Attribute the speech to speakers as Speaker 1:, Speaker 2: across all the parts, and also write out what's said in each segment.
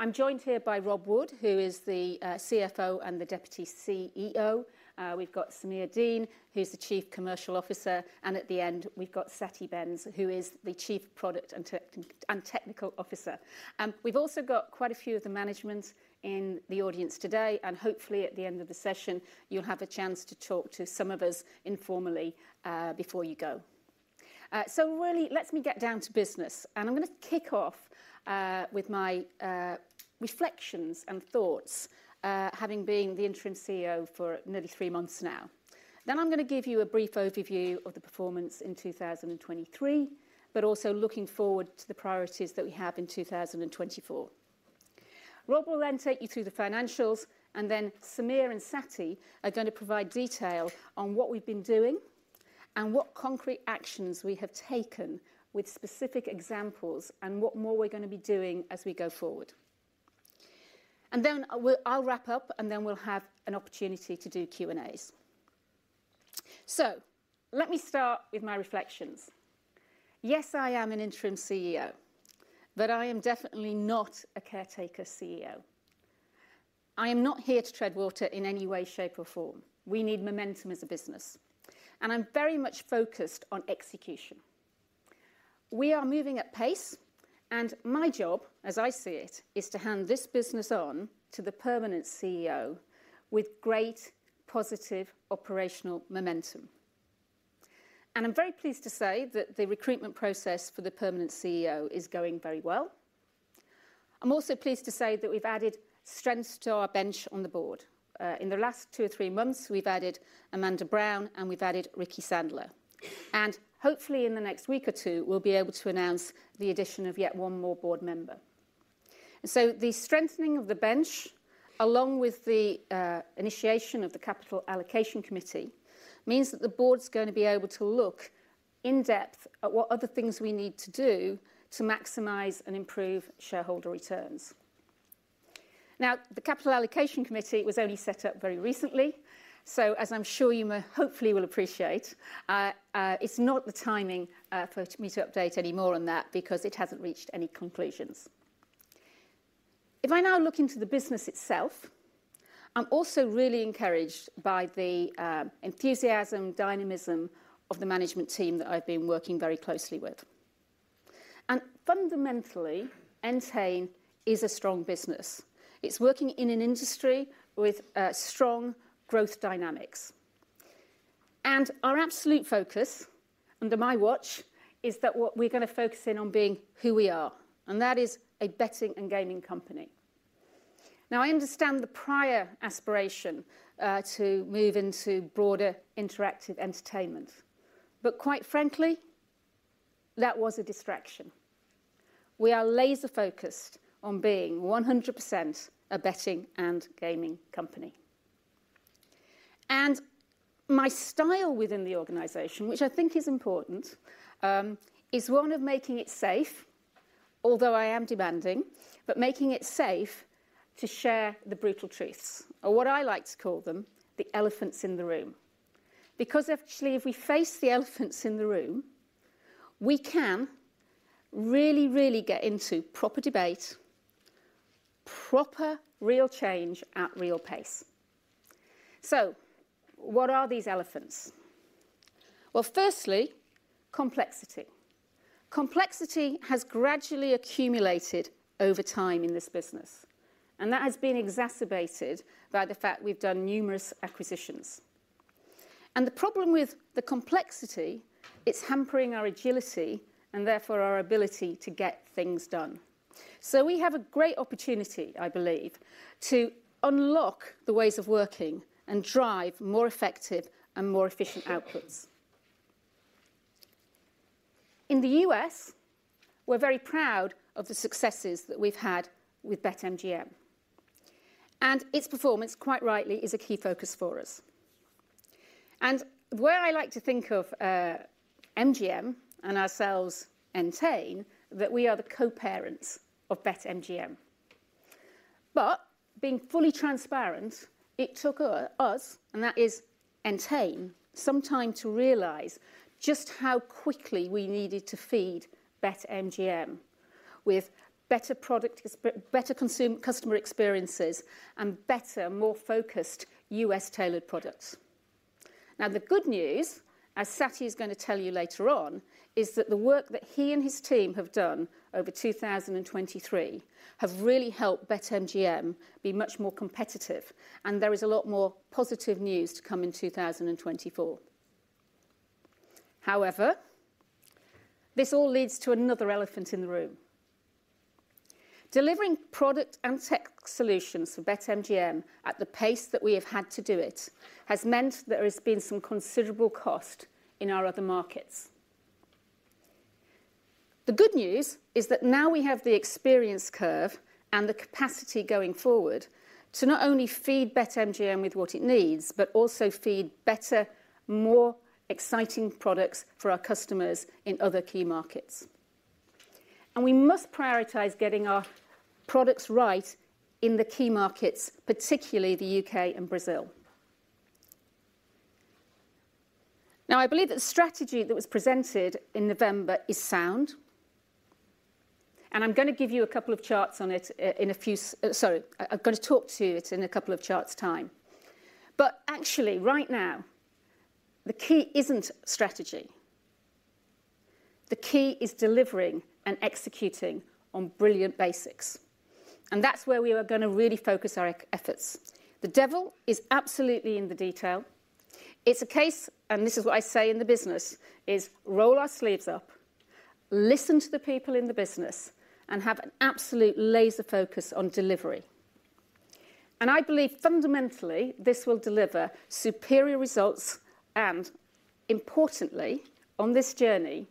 Speaker 1: I'm joined here by Rob Wood, who is the CFO and the Deputy CEO. We've got Sameer Deen, who's the Chief Commercial Officer, and at the end, we've got Satty Bhens, who is the Chief Product and Technology Officer. We've also got quite a few of the management in the audience today, and hopefully, at the end of the session, you'll have a chance to talk to some of us informally before you go. So really, let me get down to business, and I'm gonna kick off with my reflections and thoughts having been the Interim CEO for nearly three months now. Then I'm gonna give you a brief overview of the performance in 2023, but also looking forward to the priorities that we have in 2024. Rob will then take you through the financials, and then Sameer and Satty are going to provide detail on what we've been doing and what concrete actions we have taken, with specific examples, and what more we're gonna be doing as we go forward. And then, I'll wrap up, and then we'll have an opportunity to do Q and As. So let me start with my reflections. Yes, I am an Interim CEO, but I am definitely not a caretaker CEO. I am not here to tread water in any way, shape, or form. We need momentum as a business, and I'm very much focused on execution. We are moving at pace, and my job, as I see it, is to hand this business on to the permanent CEO with great positive operational momentum. And I'm very pleased to say that the recruitment process for the permanent CEO is going very well. I'm also pleased to say that we've added strength to our bench on the board. In the last two or three months, we've added Amanda Brown, and we've added Ricky Sandler. Hopefully, in the next week or two, we'll be able to announce the addition of yet one more board member. The strengthening of the bench, along with the initiation of the Capital Allocation Committee, means that the board's gonna be able to look in depth at what other things we need to do to maximize and improve shareholder returns. Now, the Capital Allocation Committee was only set up very recently, so as I'm sure you may hopefully will appreciate, it's not the timing for me to update any more on that because it hasn't reached any conclusions. If I now look into the business itself, I'm also really encouraged by the enthusiasm, dynamism of the management team that I've been working very closely with. Fundamentally, Entain is a strong business. It's working in an industry with strong growth dynamics. Our absolute focus, under my watch, is that what we're gonna focus in on being who we are, and that is a betting and gaming company. Now, I understand the prior aspiration to move into broader interactive entertainment, but quite frankly, that was a distraction. We are laser-focused on being 100% a betting and gaming company. My style within the organization, which I think is important, is one of making it safe, although I am demanding, but making it safe to share the brutal truths, or what I like to call them, the elephants in the room. Because actually, if we face the elephants in the room, we can really, really get into proper debate, proper, real change at real pace. So what are these elephants? Well, firstly, complexity. Complexity has gradually accumulated over time in this business, and that has been exacerbated by the fact we've done numerous acquisitions. And the problem with the complexity, it's hampering our agility and therefore our ability to get things done. So we have a great opportunity, I believe, to unlock the ways of working and drive more effective and more efficient outputs. In the US, we're very proud of the successes that we've had with BetMGM, and its performance, quite rightly, is a key focus for us. And where I like to think of MGM and ourselves, Entain, that we are the co-parents of BetMGM. But being fully transparent, it took us, and that is Entain, some time to realize just how quickly we needed to feed BetMGM with better product, better customer experiences, and better, more focused US-tailored products. Now, the good news, as Satty is gonna tell you later on, is that the work that he and his team have done over 2023 have really helped BetMGM be much more competitive, and there is a lot more positive news to come in 2024. However, this all leads to another elephant in the room. Delivering product and tech solutions for BetMGM at the pace that we have had to do it has meant there has been some considerable cost in our other markets. The good news is that now we have the experience curve and the capacity going forward to not only feed BetMGM with what it needs, but also feed better, more exciting products for our customers in other key markets. We must prioritize getting our products right in the key markets, particularly the U.K. and Brazil. Now, I believe that the strategy that was presented in November is sound, and I'm gonna give you a couple of charts on it, sorry, I'm gonna talk to it in a couple of charts' time. But actually, right now, the key isn't strategy. The key is delivering and executing on brilliant basics, and that's where we are gonna really focus our efforts. The devil is absolutely in the detail. It's a case, and this is what I say in the business, is roll our sleeves up, listen to the people in the business, and have an absolute laser focus on delivery. And I believe fundamentally, this will deliver superior results and, importantly, on this journey,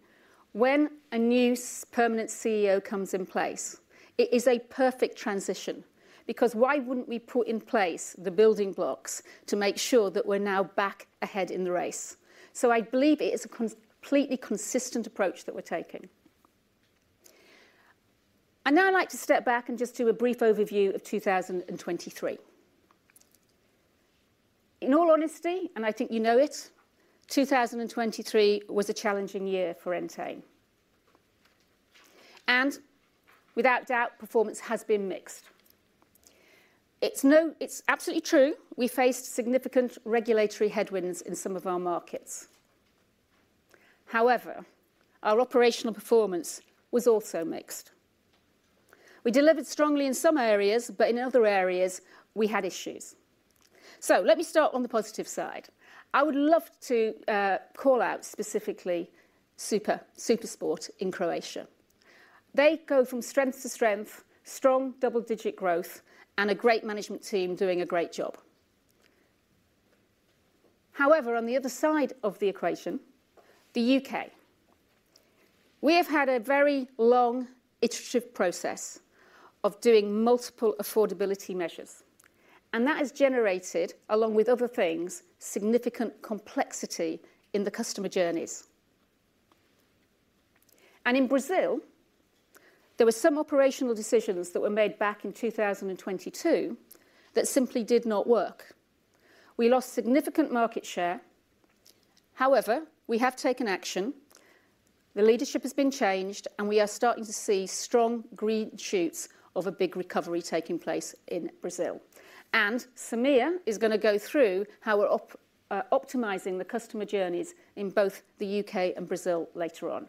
Speaker 1: when a new permanent CEO comes in place, it is a perfect transition, because why wouldn't we put in place the building blocks to make sure that we're now back ahead in the race? So I believe it is a completely consistent approach that we're taking. I'd now like to step back and just do a brief overview of 2023. In all honesty, and I think you know it, 2023 was a challenging year for Entain. Without doubt, performance has been mixed. It's absolutely true, we faced significant regulatory headwinds in some of our markets. However, our operational performance was also mixed. We delivered strongly in some areas, but in other areas, we had issues. So let me start on the positive side. I would love to call out specifically SuperSport in Croatia. They go from strength to strength, strong double-digit growth, and a great management team doing a great job. However, on the other side of the equation, the U.K. We have had a very long iterative process of doing multiple affordability measures, and that has generated, along with other things, significant complexity in the customer journeys. In Brazil, there were some operational decisions that were made back in 2022 that simply did not work. We lost significant market share. However, we have taken action, the leadership has been changed, and we are starting to see strong green shoots of a big recovery taking place in Brazil. And Sameer is gonna go through how we're optimizing the customer journeys in both the U.K. and Brazil later on.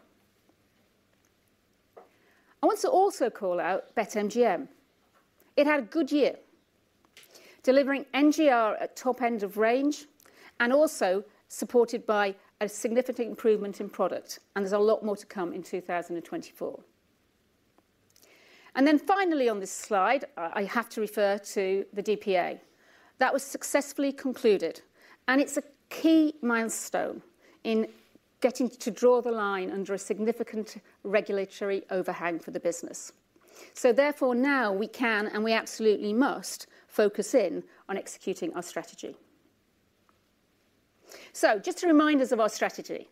Speaker 1: I want to also call out BetMGM. It had a good year, delivering NGR at top end of range and also supported by a significant improvement in product, and there's a lot more to come in 2024. And then finally on this slide, I have to refer to the DPA. That was successfully concluded, and it's a key milestone in getting to draw the line under a significant regulatory overhang for the business. So therefore, now we can, and we absolutely must, focus in on executing our strategy. So just to remind us of our strategy,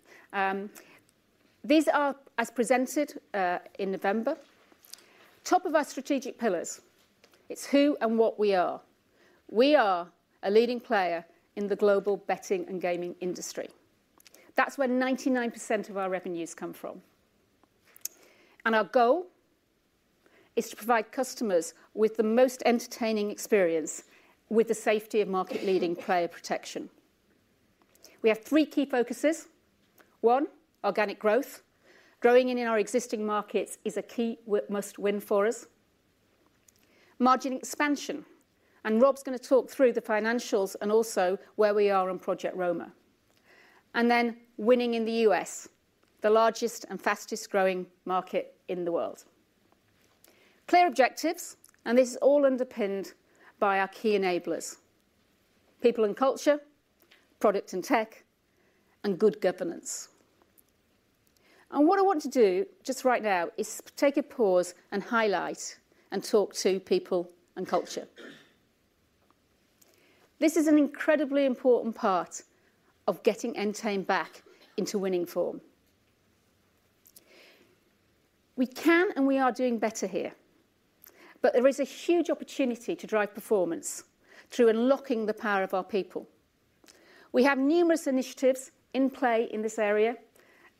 Speaker 1: these are as presented in November. Top of our strategic pillars, it's who and what we are. We are a leading player in the global betting and gaming industry. That's where 99% of our revenues come from. And our goal is to provide customers with the most entertaining experience, with the safety of market-leading player protection. We have three key focuses: One, organic growth. Growing in our existing markets is a key must-win for us. Margin expansion, and Rob's gonna talk through the financials and also where we are on Project Romer. And then winning in the U.S., the largest and fastest-growing market in the world. Clear objectives, and this is all underpinned by our key enablers: people and culture, product and tech, and good governance. And what I want to do just right now is take a pause and highlight and talk to people and culture. This is an incredibly important part of getting Entain back into winning form. We can and we are doing better here, but there is a huge opportunity to drive performance through unlocking the power of our people. We have numerous initiatives in play in this area,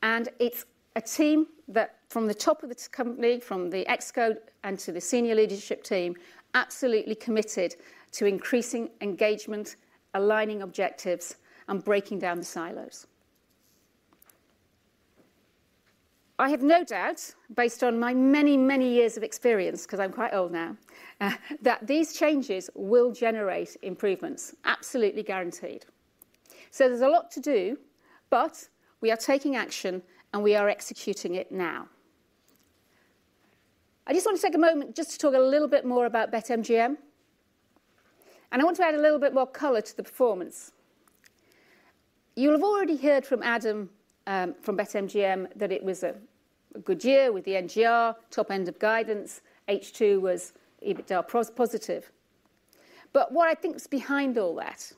Speaker 1: and it's a team that from the top of the company, from the ExCo and to the senior leadership team, absolutely committed to increasing engagement, aligning objectives, and breaking down the silos. I have no doubt, based on my many, many years of experience, 'cause I'm quite old now, that these changes will generate improvements, absolutely guaranteed. So there's a lot to do, but we are taking action, and we are executing it now. I just want to take a moment just to talk a little bit more about BetMGM, and I want to add a little bit more color to the performance. You'll have already heard from Adam from BetMGM, that it was a good year with the NGR, top end of guidance. H2 was EBITDA positive. But what I think is behind all that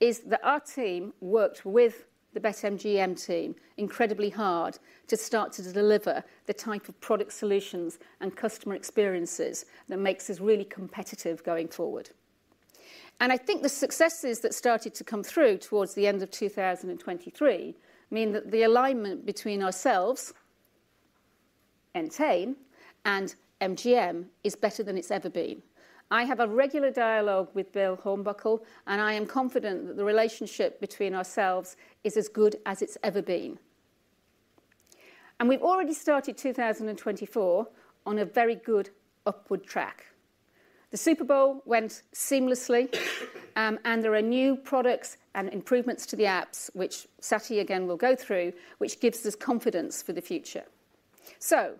Speaker 1: is that our team worked with the BetMGM team incredibly hard to start to deliver the type of product solutions and customer experiences that makes us really competitive going forward. I think the successes that started to come through towards the end of 2023 mean that the alignment between ourselves, Entain, and MGM, is better than it's ever been. I have a regular dialogue with Bill Hornbuckle, and I am confident that the relationship between ourselves is as good as it's ever been. We've already started 2024 on a very good upward track. The Super Bowl went seamlessly, and there are new products and improvements to the apps, which Satty again will go through, which gives us confidence for the future. So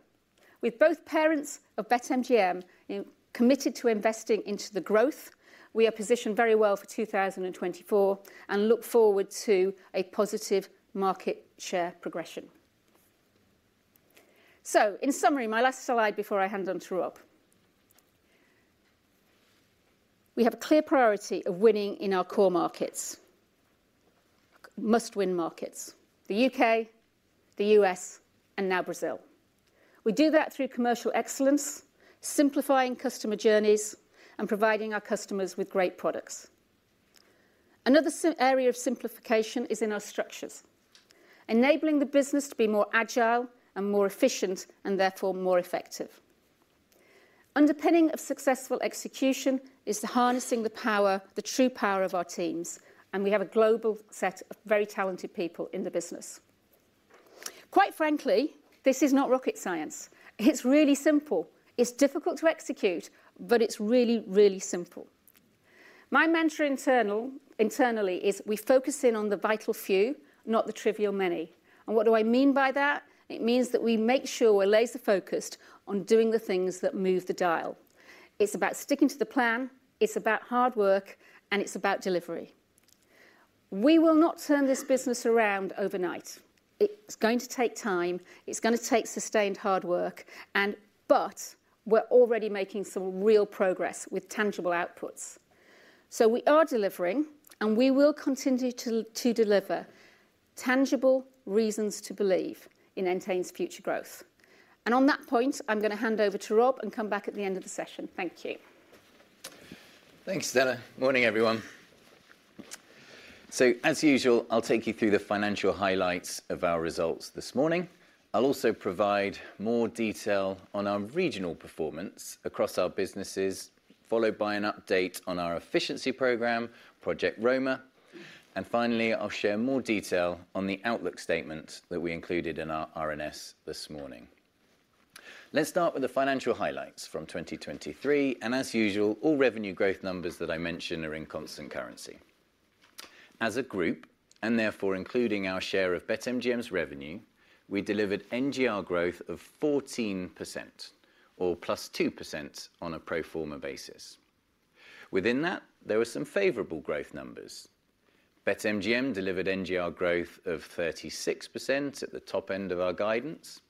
Speaker 1: with both parents of BetMGM, you know, committed to investing into the growth, we are positioned very well for 2024, and look forward to a positive market share progression. So in summary, my last slide before I hand on to Rob. We have a clear priority of winning in our core markets, must-win markets: the U.K., the US, and now Brazil. We do that through commercial excellence, simplifying customer journeys, and providing our customers with great products. Another simple area of simplification is in our structures, enabling the business to be more agile and more efficient, and therefore, more effective. Underpinning a successful execution is harnessing the power, the true power of our teams, and we have a global set of very talented people in the business. Quite frankly, this is not rocket science. It's really simple. It's difficult to execute, but it's really, really simple. My mantra internally is: we focus in on the vital few, not the trivial many. And what do I mean by that? It means that we make sure we're laser-focused on doing the things that move the dial. It's about sticking to the plan, it's about hard work, and it's about delivery. We will not turn this business around overnight. It's going to take time, it's gonna take sustained hard work, but we're already making some real progress with tangible outputs. So we are delivering, and we will continue to deliver tangible reasons to believe in Entain's future growth. On that point, I'm gonna hand over to Rob and come back at the end of the session. Thank you.
Speaker 2: Thanks, Stella. Morning, everyone. So, as usual, I'll take you through the financial highlights of our results this morning. I'll also provide more detail on our regional performance across our businesses, followed by an update on our efficiency program, Project Romer. And finally, I'll share more detail on the outlook statement that we included in our RNS this morning. Let's start with the financial highlights from 2023, and as usual, all revenue growth numbers that I mention are in constant currency. As a group, and therefore including our share of BetMGM's revenue, we delivered NGR growth of 14%, or plus 2% on a pro forma basis. Within that, there were some favorable growth numbers. BetMGM delivered NGR growth of 36% at the top end of our guidance.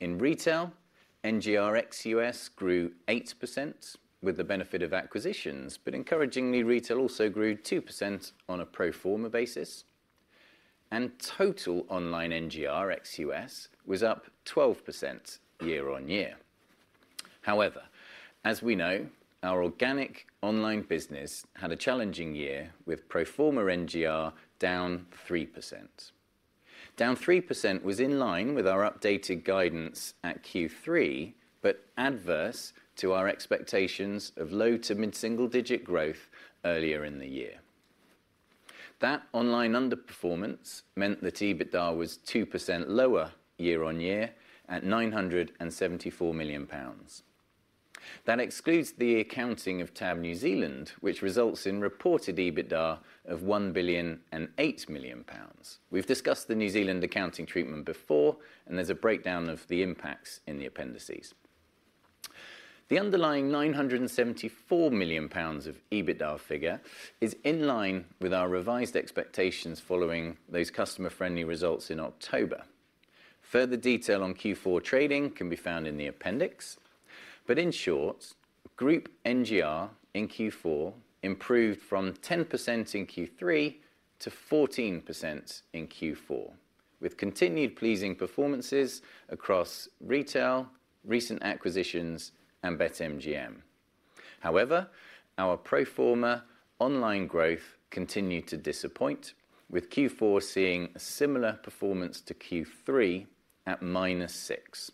Speaker 2: In retail, NGR ex-US grew 8% with the benefit of acquisitions, but encouragingly, retail also grew 2% on a pro forma basis, and total online NGR ex-US was up 12% year-on-year. However, as we know, our organic online business had a challenging year with pro forma NGR down 3%. Down 3% was in line with our updated guidance at Q3, but adverse to our expectations of low- to mid-single-digit growth earlier in the year. That online underperformance meant that EBITDA was 2% lower year-on-year, at 974 million pounds. That excludes the accounting of TAB New Zealand, which results in reported EBITDA of 1.008 billion. We've discussed the New Zealand accounting treatment before, and there's a breakdown of the impacts in the appendices. The underlying 974 million pounds of EBITDA figure is in line with our revised expectations following those customer-friendly results in October. Further detail on Q4 trading can be found in the appendix, but in short, group NGR in Q4 improved from 10% in Q3 to 14% in Q4, with continued pleasing performances across retail, recent acquisitions, and BetMGM. However, our pro forma online growth continued to disappoint, with Q4 seeing a similar performance to Q3 at -6%.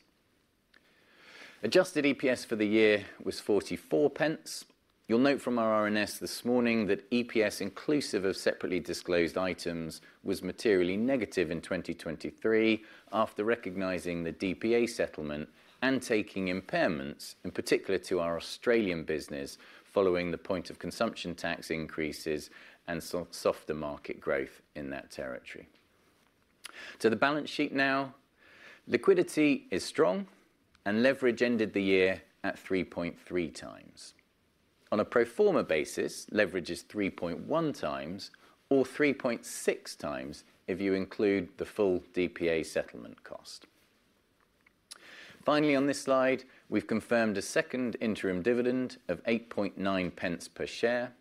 Speaker 2: Adjusted EPS for the year was 44 pence. You'll note from our RNS this morning that EPS, inclusive of separately disclosed items, was materially negative in 2023, after recognizing the DPA settlement and taking impairments, in particular to our Australian business, following the point of consumption tax increases and softer market growth in that territory. To the balance sheet now. Liquidity is strong, and leverage ended the year at 3.3 times. On a pro forma basis, leverage is 3.1 times, or 3.6 times if you include the full DPA settlement cost. Finally, on this slide, we've confirmed a second interim dividend of 8.9 pence per share.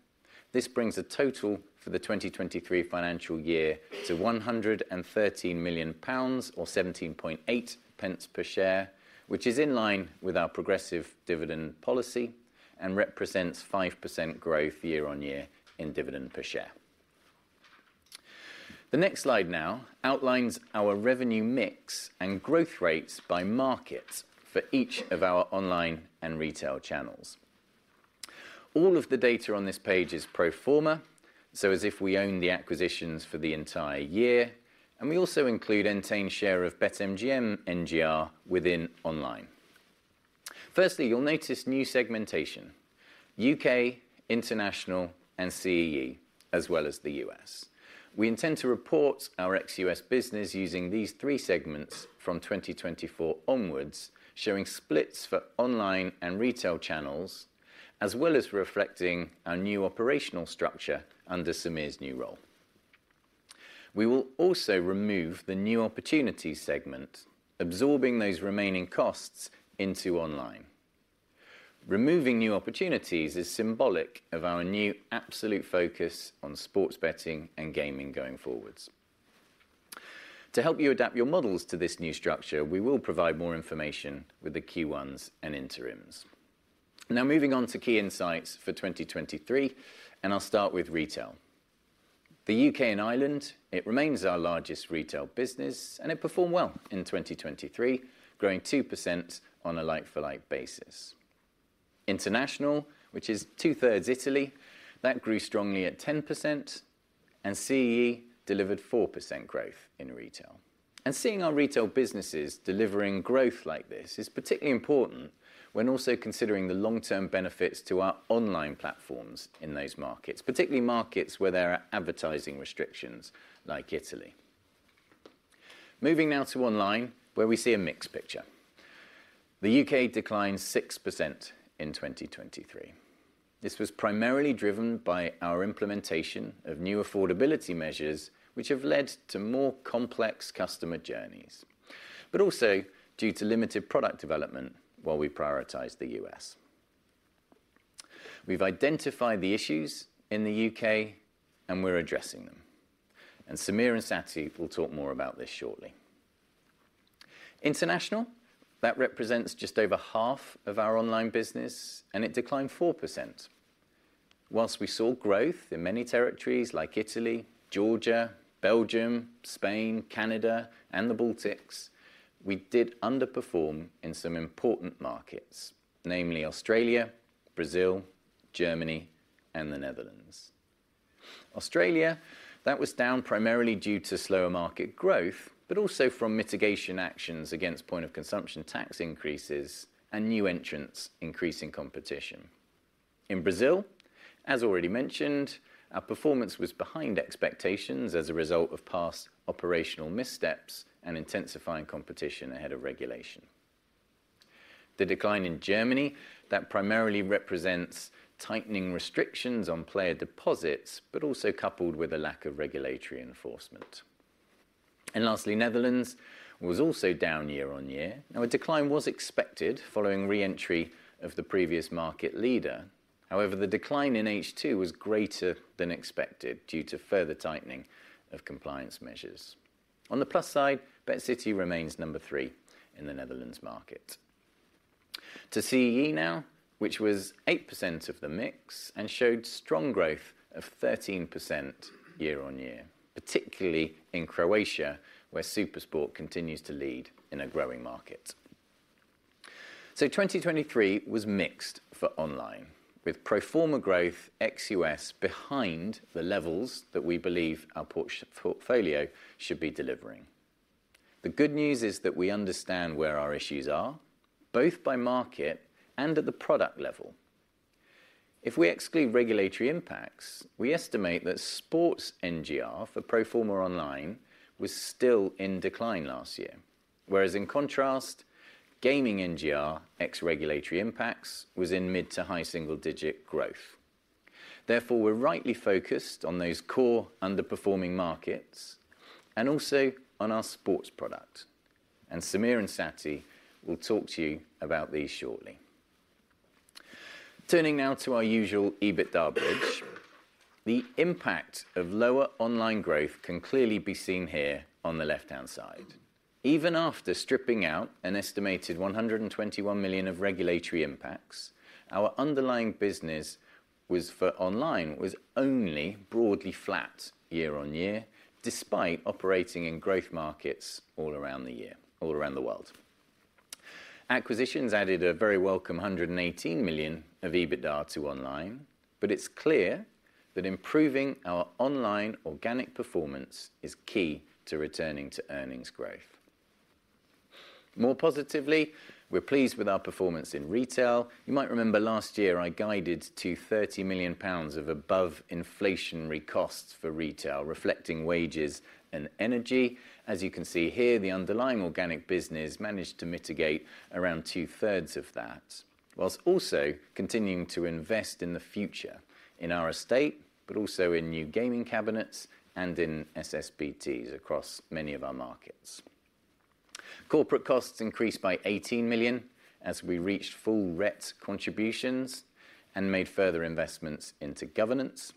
Speaker 2: This brings the total for the 2023 financial year to 113 million pounds, or 17.8 pence per share, which is in line with our progressive dividend policy and represents 5% growth year-on-year in dividend per share. The next slide now outlines our revenue mix and growth rates by market for each of our online and retail channels. All of the data on this page is pro forma, so as if we own the acquisitions for the entire year, and we also include Entain's share of BetMGM NGR within online. Firstly, you'll notice new segmentation: U.K., International, and CEE, as well as the U.S. We intend to report our ex-U.S. business using these three segments from 2024 onwards, showing splits for online and retail channels, as well as reflecting our new operational structure under Sameer's new role. We will also remove the New Opportunities segment, absorbing those remaining costs into online. Removing New Opportunities is symbolic of our new absolute focus on sports betting and gaming going forwards. To help you adapt your models to this new structure, we will provide more information with the Q1s and interims. Now, moving on to key insights for 2023, and I'll start with retail. The U.K. and Ireland, it remains our largest retail business, and it performed well in 2023, growing 2% on a like-for-like basis. International, which is two-thirds Italy, that grew strongly at 10%, and CEE delivered 4% growth in retail. And seeing our retail businesses delivering growth like this is particularly important when also considering the long-term benefits to our online platforms in those markets, particularly markets where there are advertising restrictions, like Italy. Moving now to online, where we see a mixed picture. The U.K. declined 6% in 2023. This was primarily driven by our implementation of new affordability measures, which have led to more complex customer journeys, but also due to limited product development while we prioritize the U.S. We've identified the issues in the U.K. and we're addressing them, and Sameer and Satty will talk more about this shortly. International, that represents just over half of our online business, and it declined 4%. While we saw growth in many territories like Italy, Georgia, Belgium, Spain, Canada, and the Baltics, we did underperform in some important markets, namely Australia, Brazil, Germany, and the Netherlands. Australia, that was down primarily due to slower market growth, but also from mitigation actions against point of consumption tax increases and new entrants increasing competition. In Brazil, as already mentioned, our performance was behind expectations as a result of past operational missteps and intensifying competition ahead of regulation. The decline in Germany, that primarily represents tightening restrictions on player deposits, but also coupled with a lack of regulatory enforcement. And lastly, Netherlands was also down year-on-year. Now, a decline was expected following re-entry of the previous market leader. However, the decline in H2 was greater than expected due to further tightening of compliance measures. On the plus side, BetCity remains third in the Netherlands market. To CEE now, which was 8% of the mix and showed strong growth of 13% year-on-year, particularly in Croatia, where SuperSport continues to lead in a growing market. So 2023 was mixed for online, with pro forma growth ex-US behind the levels that we believe our portfolio should be delivering. The good news is that we understand where our issues are, both by market and at the product level. If we exclude regulatory impacts, we estimate that sports NGR for pro forma online was still in decline last year, whereas in contrast, gaming NGR, ex regulatory impacts, was in mid- to high single-digit growth. Therefore, we're rightly focused on those core underperforming markets and also on our sports product, and Sameer and Satty will talk to you about these shortly. Turning now to our usual EBITDA bridge, the impact of lower online growth can clearly be seen here on the left-hand side. Even after stripping out an estimated 121 million of regulatory impacts, our underlying business for online was only broadly flat year-over-year, despite operating in growth markets all around the world. Acquisitions added a very welcome 118 million of EBITDA to online, but it's clear that improving our online organic performance is key to returning to earnings growth. More positively, we're pleased with our performance in retail. You might remember last year, I guided to 30 million pounds of above-inflationary costs for retail, reflecting wages and energy. As you can see here, the underlying organic business managed to mitigate around two-thirds of that, whilst also continuing to invest in the future in our estate, but also in new gaming cabinets and in SSBTs across many of our markets. Corporate costs increased by 18 million as we reached full run rate contributions and made further investments into governance.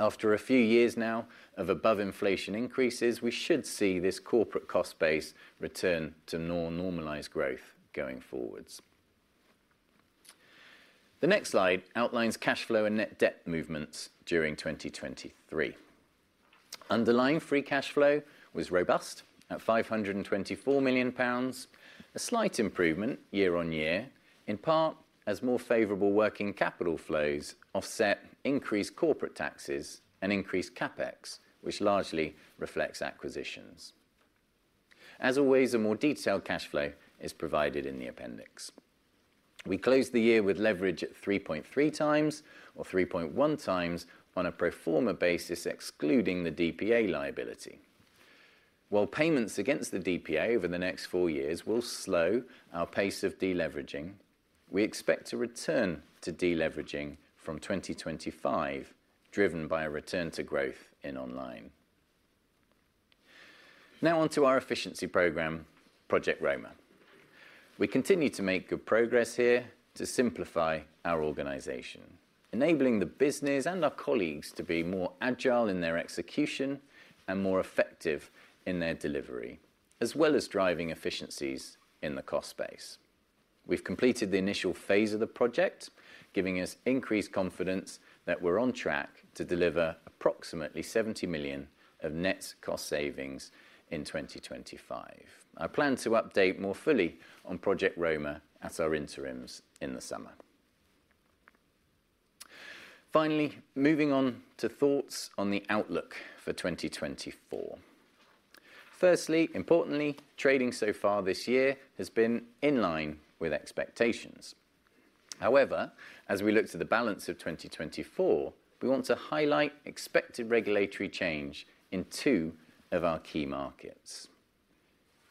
Speaker 2: After a few years now of above-inflation increases, we should see this corporate cost base return to normalized growth going forward. The next slide outlines cash flow and net debt movements during 2023. Underlying free cash flow was robust, at 524 million pounds, a slight improvement year-on-year, in part as more favorable working capital flows offset increased corporate taxes and increased CapEx, which largely reflects acquisitions. As always, a more detailed cash flow is provided in the appendix. We closed the year with leverage at 3.3 times, or 3.1 times on a pro forma basis, excluding the DPA liability. While payments against the DPA over the next four years will slow our pace of deleveraging, we expect to return to deleveraging from 2025, driven by a return to growth in online. Now on to our efficiency program, Project Romer We continue to make good progress here to simplify our organization, enabling the business and our colleagues to be more agile in their execution and more effective in their delivery, as well as driving efficiencies in the cost base. We've completed the initial phase of the project, giving us increased confidence that we're on track to deliver approximately 70 million of net cost savings in 2025. I plan to update more fully on Project Romer at our interims in the summer. Finally, moving on to thoughts on the outlook for 2024. Firstly, importantly, trading so far this year has been in line with expectations. However, as we look to the balance of 2024, we want to highlight expected regulatory change in two of our key markets.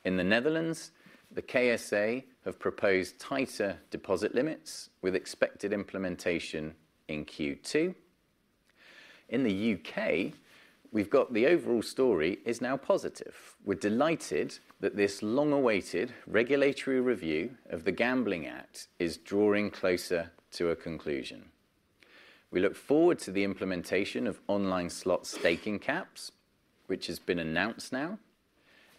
Speaker 2: In the Netherlands, the KSA have proposed tighter deposit limits, with expected implementation in Q2. In the U.K., we've got the overall story is now positive. We're delighted that this long-awaited regulatory review of the Gambling Act is drawing closer to a conclusion. We look forward to the implementation of online slot staking caps, which has been announced now,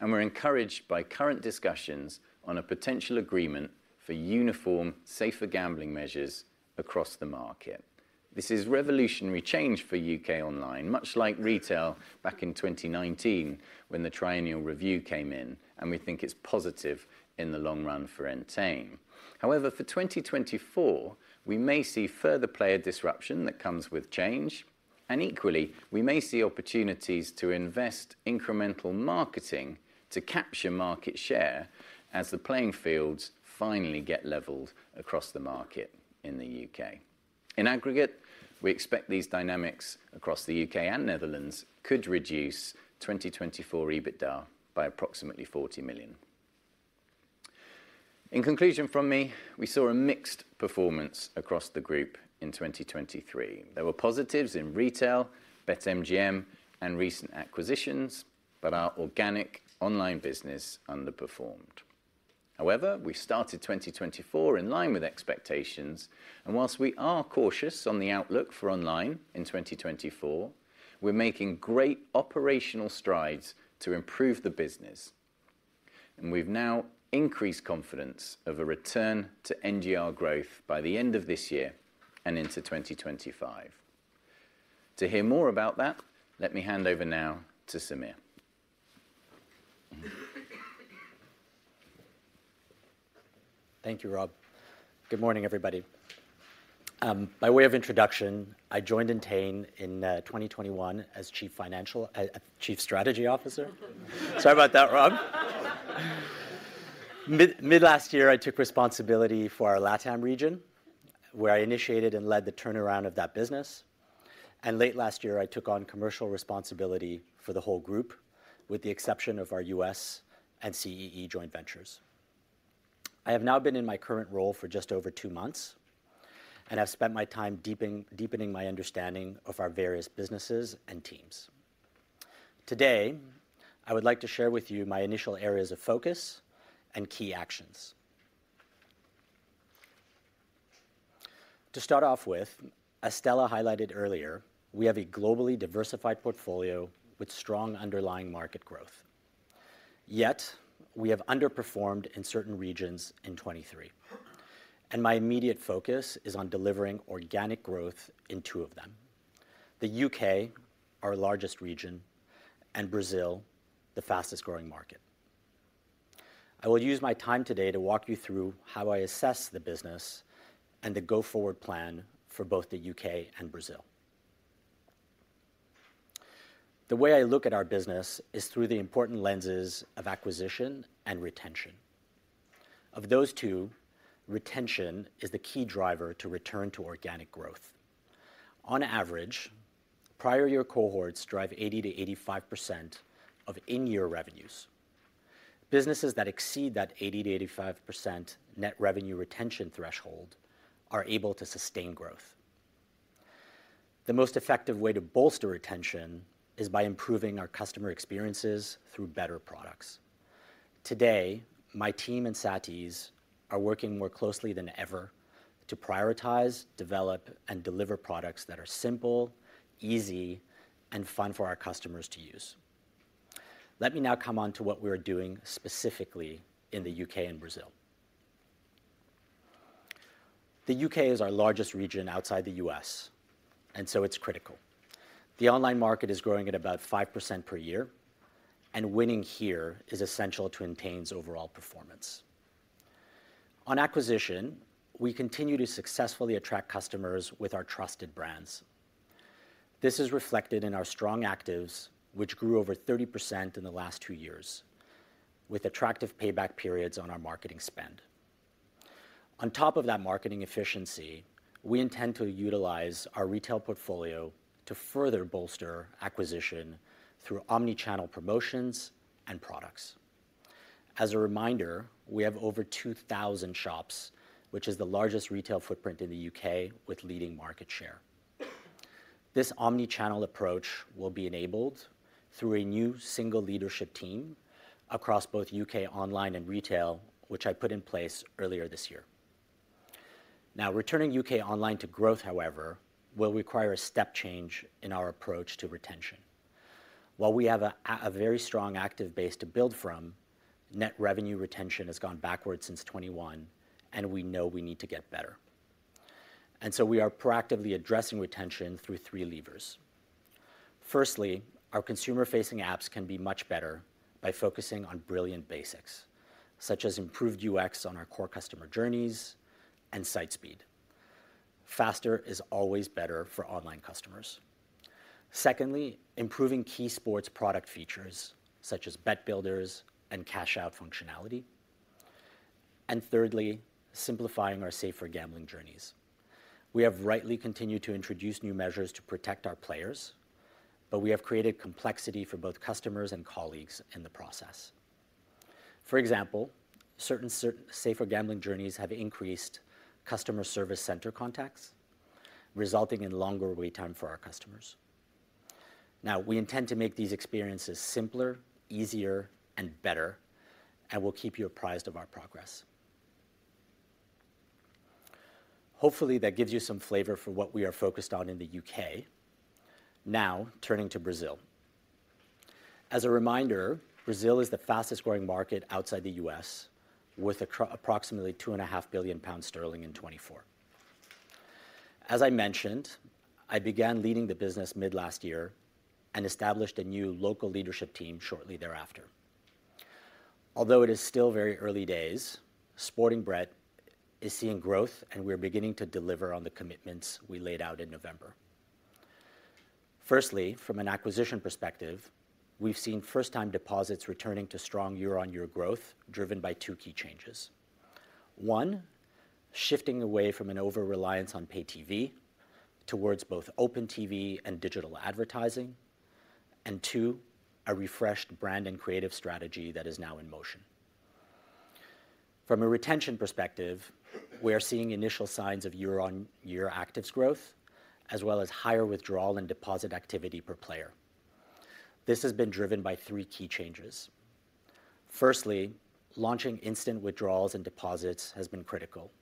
Speaker 2: and we're encouraged by current discussions on a potential agreement for uniform, safer gambling measures across the market. This is revolutionary change for U.K. online, much like retail back in 2019 when the triennial review came in, and we think it's positive in the long run for Entain. However, for 2024, we may see further player disruption that comes with change, and equally, we may see opportunities to invest incremental marketing to capture market share as the playing fields finally get leveled across the market in the U.K. In aggregate, we expect these dynamics across the U.K. and Netherlands could reduce 2024 EBITDA by approximately 40 million. In conclusion from me, we saw a mixed performance across the group in 2023. There were positives in retail, BetMGM, and recent acquisitions, but our organic online business underperformed. However, we started 2024 in line with expectations, and while we are cautious on the outlook for online in 2024, we're making great operational strides to improve the business, and we've now increased confidence of a return to NGR growth by the end of this year and into 2025. To hear more about that, let me hand over now to Sameer.
Speaker 3: Thank you, Rob. Good morning, everybody. By way of introduction, I joined Entain in 2021 as Chief Strategy Officer. Sorry about that, Rob. Mid last year, I took responsibility for our LATAM region, where I initiated and led the turnaround of that business, and late last year, I took on commercial responsibility for the whole group, with the exception of our U.S. and CEE joint ventures. I have now been in my current role for just over two months and have spent my time deepening my understanding of our various businesses and teams. Today, I would like to share with you my initial areas of focus and key actions. To start off with, as Stella highlighted earlier, we have a globally diversified portfolio with strong underlying market growth. Yet, we have underperformed in certain regions in 2023, and my immediate focus is on delivering organic growth in two of them: the U.K., our largest region, and Brazil, the fastest-growing market. I will use my time today to walk you through how I assess the business and the go-forward plan for both the U.K. and Brazil. The way I look at our business is through the important lenses of acquisition and retention. Of those two, retention is the key driver to return to organic growth. On average, prior year cohorts drive 80%-85% of in-year revenues. Businesses that exceed that 80%-85% net revenue retention threshold are able to sustain growth. The most effective way to bolster retention is by improving our customer experiences through better products. Today, my team and Satty's are working more closely than ever to prioritize, develop, and deliver products that are simple, easy, and fun for our customers to use. Let me now come on to what we are doing specifically in the U.K. and Brazil. The U.K. is our largest region outside the U.S., and so it's critical. The online market is growing at about 5% per year, and winning here is essential to Entain's overall performance. On acquisition, we continue to successfully attract customers with our trusted brands. This is reflected in our strong actives, which grew over 30% in the last two years, with attractive payback periods on our marketing spend. On top of that marketing efficiency, we intend to utilize our retail portfolio to further bolster acquisition through omni-channel promotions and products. As a reminder, we have over 2,000 shops, which is the largest retail footprint in the U.K., with leading market share. This omni-channel approach will be enabled through a new single leadership team across both U.K. online and retail, which I put in place earlier this year. Now, returning U.K. online to growth, however, will require a step change in our approach to retention. While we have a very strong active base to build from, net revenue retention has gone backwards since 2021, and we know we need to get better. And so we are proactively addressing retention through three levers. Firstly, our consumer-facing apps can be much better by focusing on brilliant basics, such as improved UX on our core customer journeys and site speed. Faster is always better for online customers. Secondly, improving key sports product features, such as Bet Builders and cash out functionality. Thirdly, simplifying our safer gambling journeys. We have rightly continued to introduce new measures to protect our players, but we have created complexity for both customers and colleagues in the process. For example, certain safer gambling journeys have increased customer service center contacts, resulting in longer wait time for our customers. Now, we intend to make these experiences simpler, easier, and better, and we'll keep you apprised of our progress. Hopefully, that gives you some flavor for what we are focused on in the U.K. Now, turning to Brazil. As a reminder, Brazil is the fastest-growing market outside the US, worth approximately 2.5 billion pounds in 2024. As I mentioned, I began leading the business mid last year and established a new local leadership team shortly thereafter. Although it is still very early days, Sportingbet is seeing growth, and we're beginning to deliver on the commitments we laid out in November. Firstly, from an acquisition perspective, we've seen first-time deposits returning to strong year-on-year growth, driven by two key changes. One, shifting away from an overreliance on pay TV towards both open TV and digital advertising. And two, a refreshed brand and creative strategy that is now in motion. From a retention perspective, we are seeing initial signs of year-on-year actives growth, as well as higher withdrawal and deposit activity per player. This has been driven by three key changes. Firstly, launching instant withdrawals and deposits has been critical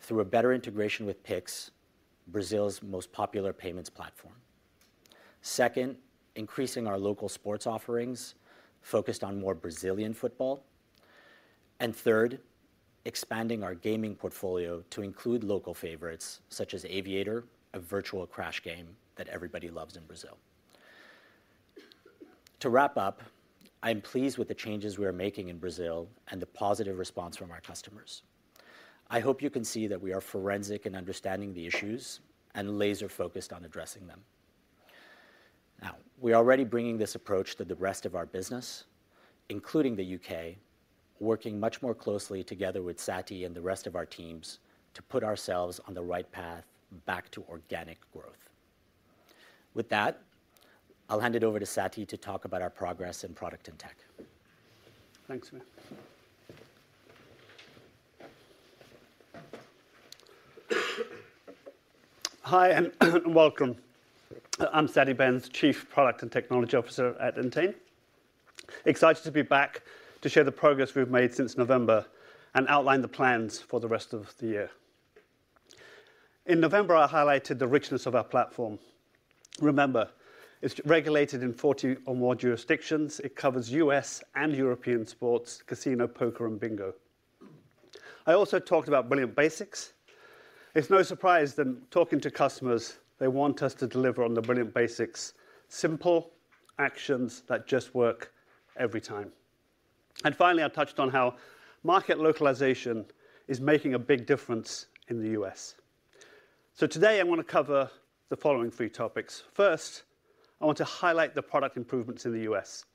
Speaker 3: through a better integration with Pix, Brazil's most popular payments platform. Second, increasing our local sports offerings, focused on more Brazilian football. Third, expanding our gaming portfolio to include local favorites such as Aviator, a virtual crash game that everybody loves in Brazil. To wrap up, I'm pleased with the changes we are making in Brazil and the positive response from our customers. I hope you can see that we are forensic in understanding the issues and laser-focused on addressing them. Now, we are already bringing this approach to the rest of our business, including the U.K., working much more closely together with Satty and the rest of our teams to put ourselves on the right path back to organic growth. With that, I'll hand it over to Satty to talk about our progress in product and tech.
Speaker 4: Thanks, Sameer. Hi, and welcome. I'm Satty Bhens, Chief Product and Technology Officer at Entain. Excited to be back to share the progress we've made since November and outline the plans for the rest of the year. In November, I highlighted the richness of our platform. Remember, it's regulated in forty or more jurisdictions. It covers U.S. and European sports, casino, poker, and bingo. I also talked about brilliant basics. It's no surprise that talking to customers, they want us to deliver on the brilliant basics: simple actions that just work every time. Finally, I touched on how market localization is making a big difference in the U.S. So today, I want to cover the following three topics. First, I want to highlight the product improvements in the U.S.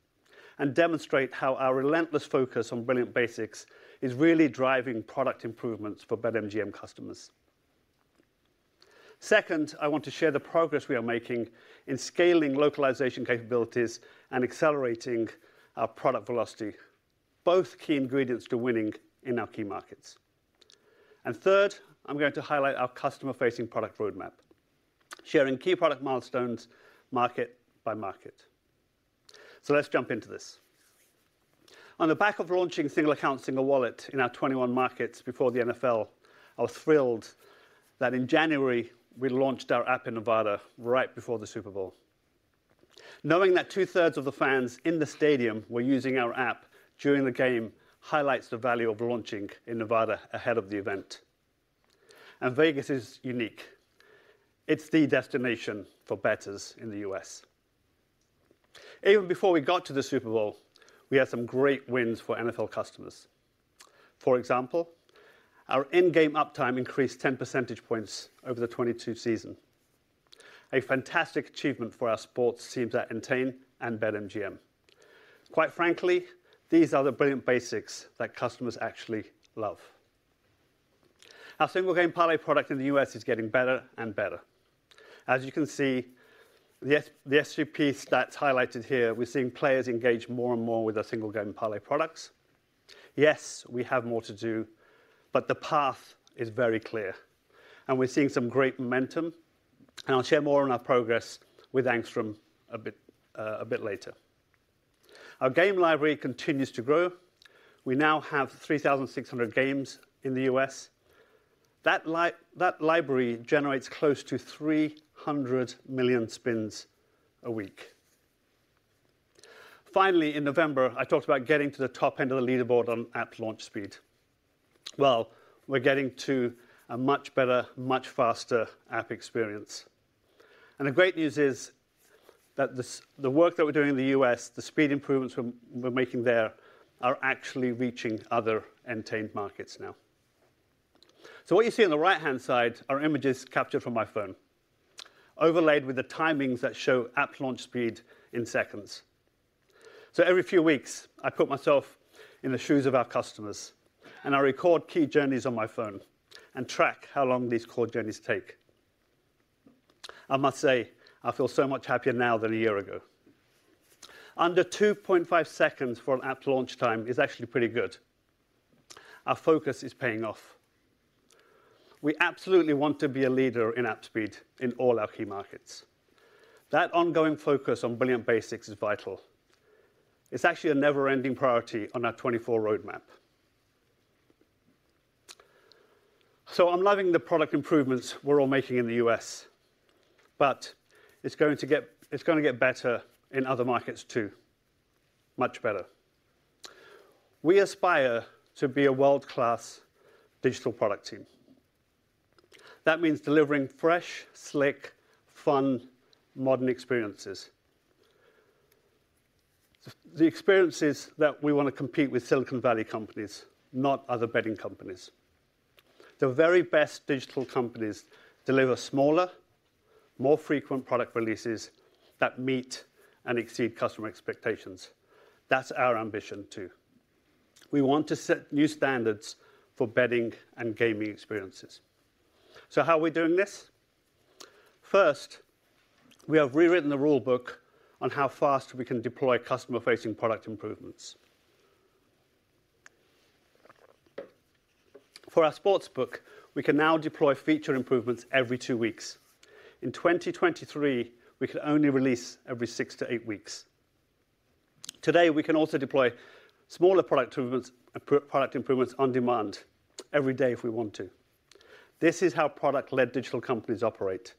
Speaker 4: and demonstrate how our relentless focus on brilliant basics is really driving product improvements for BetMGM customers. Second, I want to share the progress we are making in scaling localization capabilities and accelerating our product velocity, both key ingredients to winning in our key markets. Third, I'm going to highlight our customer-facing product roadmap, sharing key product milestones, market by market. Let's jump into this. On the back of launching Single Account, Single Wallet in our 21 markets before the NFL, I was thrilled that in January, we launched our app in Nevada right before the Super Bowl. Knowing that two-thirds of the fans in the stadium were using our app during the game, highlights the value of launching in Nevada ahead of the event. Vegas is unique. It's the destination for bettors in the U.S. Even before we got to the Super Bowl, we had some great wins for NFL customers. For example, our in-game uptime increased 10 percentage points over the 2022 season, a fantastic achievement for our sports teams at Entain and BetMGM. Quite frankly, these are the brilliant basics that customers actually love. Our Single Game Parlay product in the U.S. is getting better and better. As you can see, the SGP stats highlighted here, we're seeing players engage more and more with our Single Game Parlay products. Yes, we have more to do, but the path is very clear, and we're seeing some great momentum, and I'll share more on our progress with Angstrom a bit later. Our game library continues to grow. We now have 3,600 games in the U.S. That library generates close to 300 million spins a week. Finally, in November, I talked about getting to the top end of the leaderboard on app launch speed. Well, we're getting to a much better, much faster app experience, and the great news is that the work that we're doing in the U.S., the speed improvements we're making there, are actually reaching other Entain markets now. So what you see on the right-hand side are images captured from my phone, overlaid with the timings that show app launch speed in seconds. So every few weeks, I put myself in the shoes of our customers, and I record key journeys on my phone and track how long these core journeys take. I must say, I feel so much happier now than a year ago. Under 2.5 seconds for an app launch time is actually pretty good. Our focus is paying off. We absolutely want to be a leader in app speed in all our key markets. That ongoing focus on brilliant basics is vital. It's actually a never-ending priority on our 2024 roadmap. So I'm loving the product improvements we're all making in the U.S., but it's gonna get better in other markets, too. Much better. We aspire to be a world-class digital product team. That means delivering fresh, slick, fun, modern experiences. The experience is that we wanna compete with Silicon Valley companies, not other betting companies. The very best digital companies deliver smaller, more frequent product releases that meet and exceed customer expectations. That's our ambition, too. We want to set new standards for betting and gaming experiences. So how are we doing this? First, we have rewritten the rule book on how fast we can deploy customer-facing product improvements. For our sports book, we can now deploy feature improvements every two weeks. In 2023, we could only release every six to eight weeks. Today, we can also deploy smaller product improvements on demand every day if we want to. This is how product-led digital companies operate,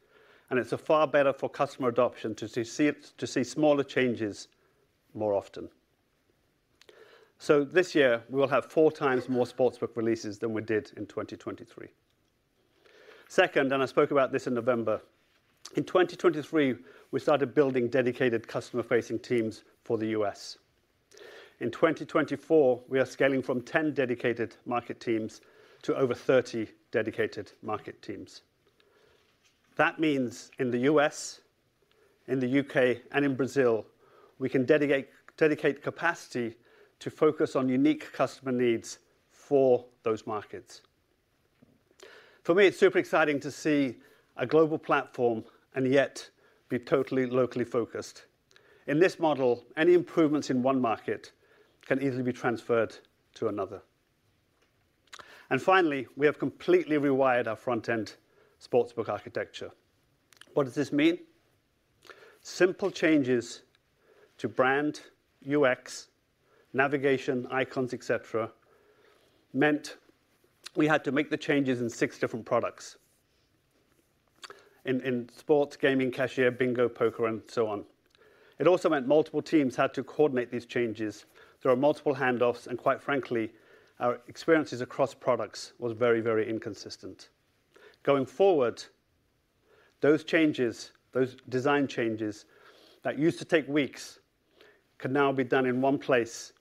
Speaker 4: and it's far better for customer adoption to see smaller changes more often. So this year, we will have four times more sports book releases than we did in 2023. Second, and I spoke about this in November, in 2023, we started building dedicated customer-facing teams for the U.S. In 2024, we are scaling from 10 dedicated market teams to over 30 dedicated market teams. That means in the U.S., in the U.K., and in Brazil, we can dedicate capacity to focus on unique customer needs for those markets. For me, it's super exciting to see a global platform and yet be totally locally focused. In this model, any improvements in one market can easily be transferred to another. And finally, we have completely rewired our front-end sports book architecture. What does this mean? Simple changes to brand, UX, navigation, icons, et cetera, meant we had to make the changes in six different products: in sports, gaming, cashier, bingo, poker, and so on. It also meant multiple teams had to coordinate these changes. There were multiple handoffs, and quite frankly, our experiences across products was very, very inconsistent. Going forward, those changes, those design changes that used to take weeks, can now be done in one place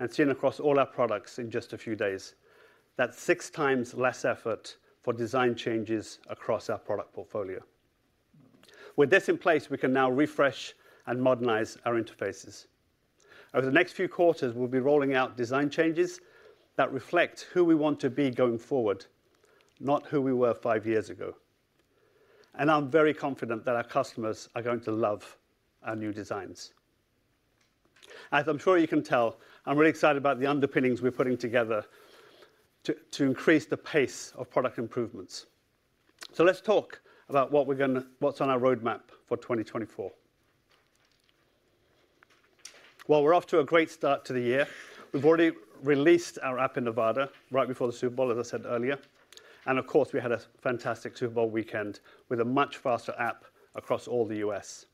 Speaker 4: and seen across all our products in just a few days. That's six times less effort for design changes across our product portfolio. With this in place, we can now refresh and modernize our interfaces. Over the next few quarters, we'll be rolling out design changes that reflect who we want to be going forward, not who we were five years ago, and I'm very confident that our customers are going to love our new designs. As I'm sure you can tell, I'm really excited about the underpinnings we're putting together to increase the pace of product improvements. So let's talk about what's on our roadmap for 2024. Well, we're off to a great start to the year. We've already released our app in Nevada right before the Super Bowl, as I said earlier, and of course, we had a fantastic Super Bowl weekend with a much faster app across all the U.S.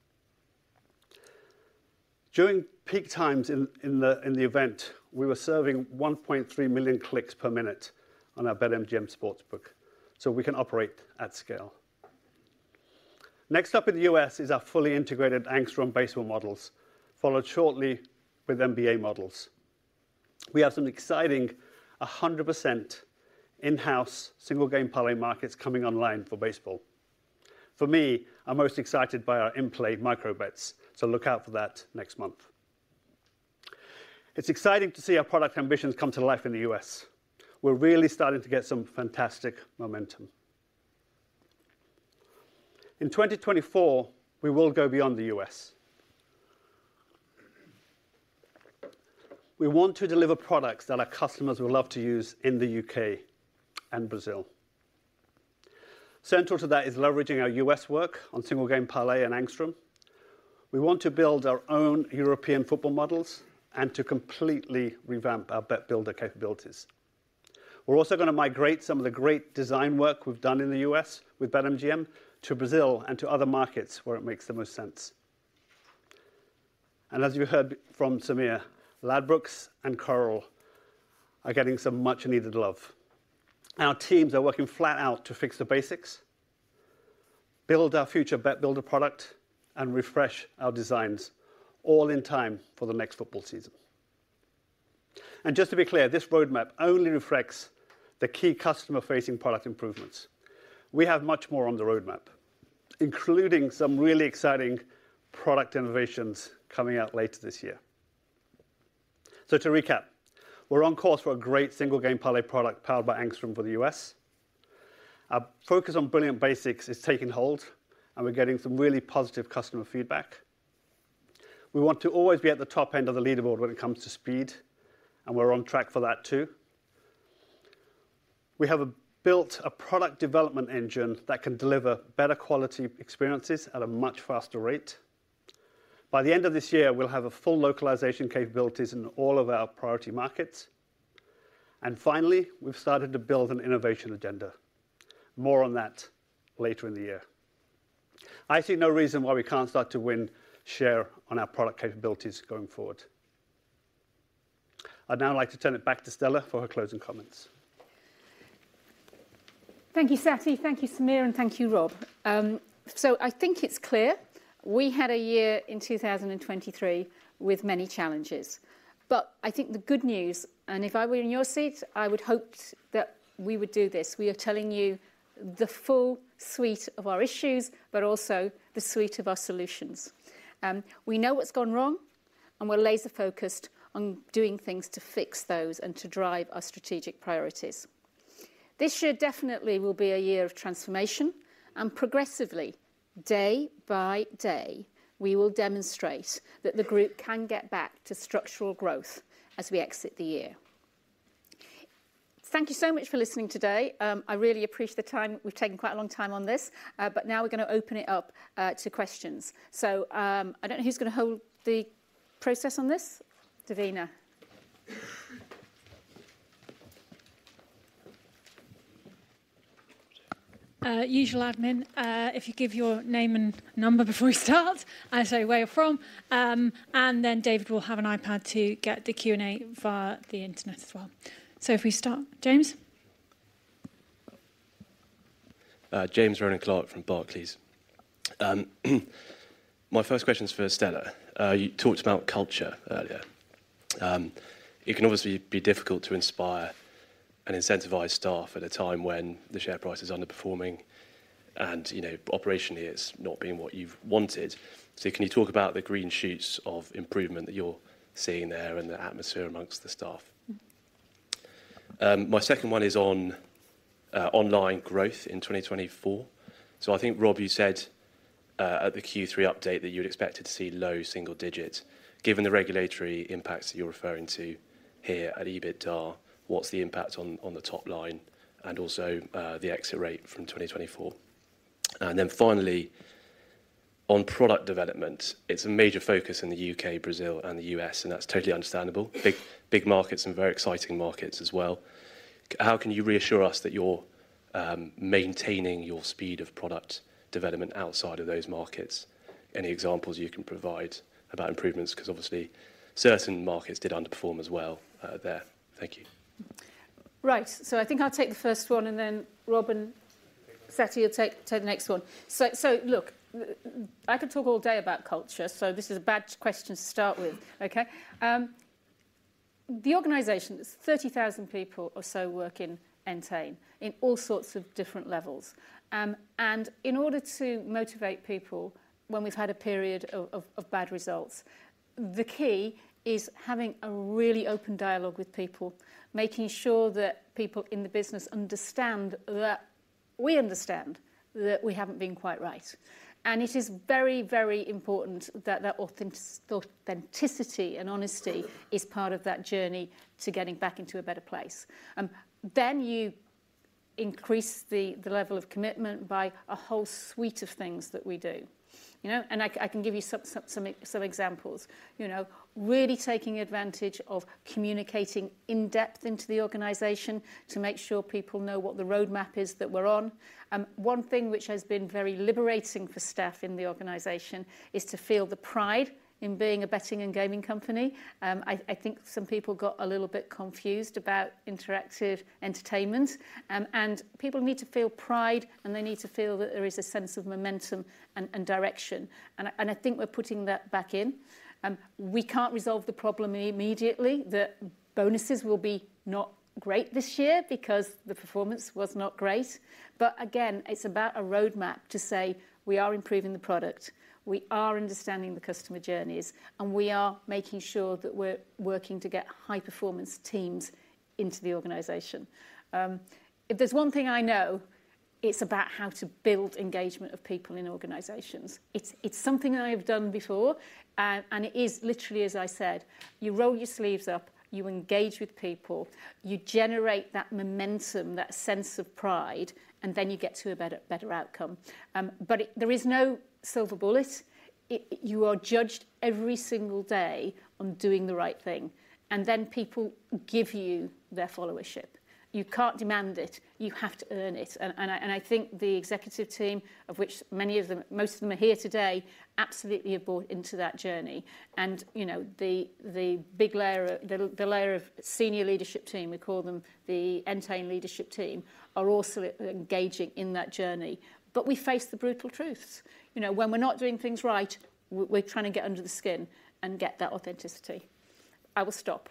Speaker 4: During peak times in the event, we were serving 1.3 million clicks per minute on our BetMGM sportsbook, so we can operate at scale. Next up in the U.S. is our fully integrated Angstrom baseball models, followed shortly with NBA models. We have some exciting 100% in-house Single Game Parlay markets coming online for baseball. For me, I'm most excited by our in-play micro bets, so look out for that next month. It's exciting to see our product ambitions come to life in the U.S. We're really starting to get some fantastic momentum. In 2024, we will go beyond the U.S. We want to deliver products that our customers will love to use in the U,K. and Brazil. Central to that is leveraging our U.S. work on Single Game Parlay and Angstrom. We want to build our own European football models and to completely revamp our Bet Builder capabilities. We're also gonna migrate some of the great design work we've done in the U.S. with BetMGM to Brazil and to other markets where it makes the most sense. As you heard from Sameer, Ladbrokes and Coral are getting some much needed love. Our teams are working flat out to fix the basics, build our future Bet Builder product, and refresh our designs all in time for the next football season. Just to be clear, this roadmap only reflects the key customer-facing product improvements. We have much more on the roadmap, including some really exciting product innovations coming out later this year. To recap, we're on course for a great Single Game Parlay product powered by Angstrom for the U.S. Our focus on brilliant basics is taking hold, and we're getting some really positive customer feedback. We want to always be at the top end of the leaderboard when it comes to speed, and we're on track for that, too. We have built a product development engine that can deliver better quality experiences at a much faster rate. By the end of this year, we'll have full localization capabilities in all of our priority markets. Finally, we've started to build an innovation agenda. More on that later in the year. I see no reason why we can't start to win share on our product capabilities going forward. I'd now like to turn it back to Stella for her closing comments.
Speaker 1: Thank you, Satty. Thank you, Sameer, and thank you, Rob. So I think it's clear we had a year in 2023 with many challenges. But I think the good news, and if I were in your seats, I would hope that we would do this. We are telling you the full suite of our issues, but also the suite of our solutions. We know what's gone wrong, and we're laser-focused on doing things to fix those and to drive our strategic priorities. This year definitely will be a year of transformation, and progressively, day by day, we will demonstrate that the group can get back to structural growth as we exit the year. Thank you so much for listening today. I really appreciate the time. We've taken quite a long time on this, but now we're gonna open it up to questions. So, I don't know who's gonna hold the process on this, Davina?
Speaker 5: Usual admin, if you give your name and number before you start, and say where you're from, and then David will have an iPad to get the Q&A via the Internet as well. So if we start, James?
Speaker 6: James Rowland-Clark from Barclays. My first question is for Stella. You talked about culture earlier. It can obviously be difficult to inspire and incentivize staff at a time when the share price is underperforming and, you know, operationally, it's not being what you've wanted. So can you talk about the green shoots of improvement that you're seeing there and the atmosphere among the staff? My second one is on online growth in 2024. So I think, Rob, you said at the Q3 update that you'd expected to see low single digits, given the regulatory impacts that you're referring to here at EBITDA. What's the impact on the top line and also the exit rate from 2024? And then finally, on product development, it's a major focus in the U.K., Brazil, and the U.S., and that's totally understandable. Big, big markets and very exciting markets as well. How can you reassure us that you're maintaining your speed of product development outside of those markets? Any examples you can provide about improvements? 'Cause obviously, certain markets did underperform as well, there. Thank you.
Speaker 1: Right. So I think I'll take the first one, and then Rob and Satty will take the next one. So look, I could talk all day about culture, so this is a bad question to start with, okay? The organization, there's 30,000 people or so work in Entain, in all sorts of different levels. And in order to motivate people when we've had a period of bad results, the key is having a really open dialogue with people, making sure that people in the business understand that we understand that we haven't been quite right. And it is very, very important that authenticity and honesty is part of that journey to getting back into a better place. Then increase the level of commitment by a whole suite of things that we do. You know? I can give you some examples. You know, really taking advantage of communicating in depth into the organization to make sure people know what the roadmap is that we're on. One thing which has been very liberating for staff in the organization is to feel the pride in being a betting and gaming company. I think some people got a little bit confused about interactive entertainment. People need to feel pride, and they need to feel that there is a sense of momentum and direction, and I think we're putting that back in. We can't resolve the problem immediately. The bonuses will be not great this year because the performance was not great. But again, it's about a roadmap to say, we are improving the product, we are understanding the customer journeys, and we are making sure that we're working to get high-performance teams into the organization. If there's one thing I know, it's about how to build engagement of people in organizations. It's something I've done before, and it is literally, as I said, you roll your sleeves up, you engage with people, you generate that momentum, that sense of pride, and then you get to a better outcome. But there is no silver bullet. You are judged every single day on doing the right thing, and then people give you their followership. You can't demand it, you have to earn it. I think the executive team, of which many of them, most of them are here today, absolutely have bought into that journey. You know, the big layer of the layer of senior leadership team, we call them the Entain leadership team, are also engaging in that journey. But we face the brutal truths. You know, when we're not doing things right, we're trying to get under the skin and get that authenticity. I will stop.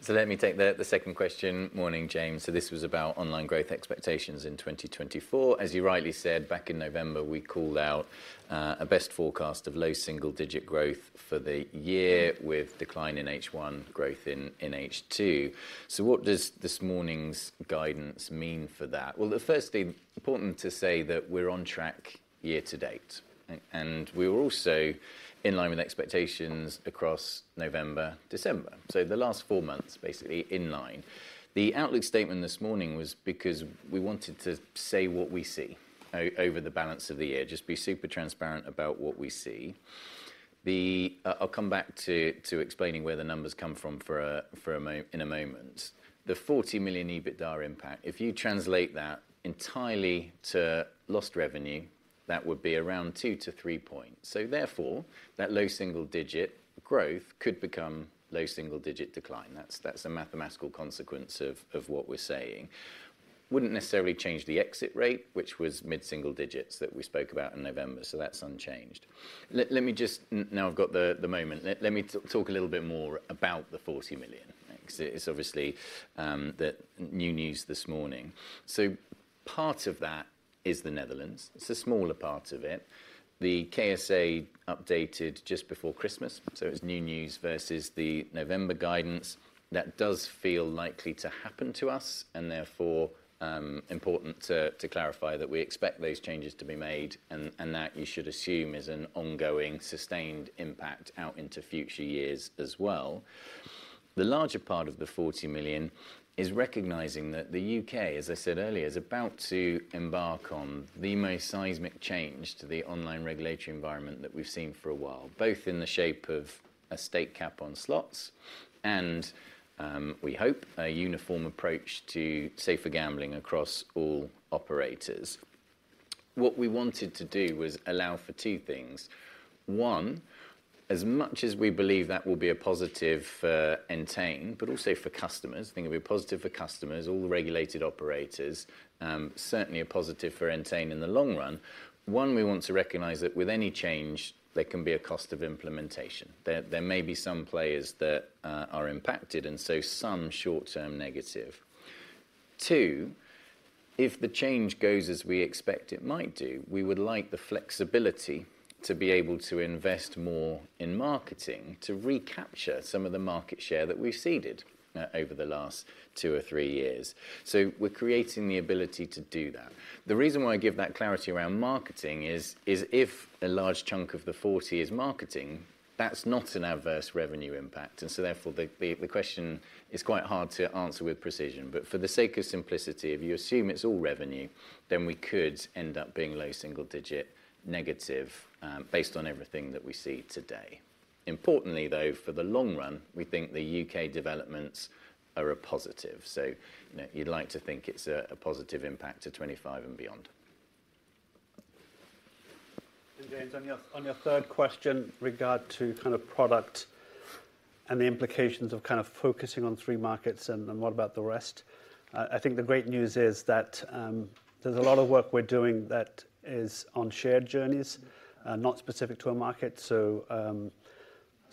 Speaker 2: So let me take the second question. Morning, James. So this was about online growth expectations in 2024. As you rightly said, back in November, we called out a best forecast of low single-digit growth for the year, with decline in H1, growth in H2. So what does this morning's guidance mean for that? Well, the first thing, important to say that we're on track year to date, and we were also in line with expectations across November, December. So the last four months, basically in line. The outlook statement this morning was because we wanted to say what we see over the balance of the year, just be super transparent about what we see. I'll come back to explaining where the numbers come from for a moment. The 40 million EBITDA impact, if you translate that entirely to lost revenue, that would be around 2-3 points. So therefore, that low single-digit growth could become low single-digit decline. That's, that's a mathematical consequence of, of what we're saying. Wouldn't necessarily change the exit rate, which was mid-single digits that we spoke about in November, so that's unchanged. Let me just now I've got the moment, let me talk a little bit more about the 40 million, because it's obviously, the new news this morning. So part of that is the Netherlands. It's a smaller part of it. The KSA updated just before Christmas, so it's new news versus the November guidance that does feel likely to happen to us, and therefore, important to clarify that we expect those changes to be made, and that you should assume is an ongoing, sustained impact out into future years as well. The larger part of the 40 million is recognizing that the U.K., as I said earlier, is about to embark on the most seismic change to the online regulatory environment that we've seen for a while, both in the shape of a stake cap on slots and, we hope, a uniform approach to safer gambling across all operators. What we wanted to do was allow for two things: One, as much as we believe that will be a positive for Entain, but also for customers, think it'll be positive for customers, all the regulated operators, certainly a positive for Entain in the long run. One, we want to recognize that with any change, there can be a cost of implementation. There may be some players that are impacted, and so some short-term negative. Two, if the change goes as we expect it might do, we would like the flexibility to be able to invest more in marketing, to recapture some of the market share that we've ceded over the last two or three years. So we're creating the ability to do that. The reason why I give that clarity around marketing is if a large chunk of the 40 is marketing, that's not an adverse revenue impact, and so therefore, the question is quite hard to answer with precision. But for the sake of simplicity, if you assume it's all revenue, then we could end up being low single digit negative, based on everything that we see today. Importantly, though, for the long run, we think the U.K. developments are a positive. So, you know, you'd like to think it's a positive impact to 25 and beyond.
Speaker 4: James, on your third question regarding kind of product and the implications of kind of focusing on three markets and what about the rest? I think the great news is that there's a lot of work we're doing that is on shared journeys, not specific to a market. So,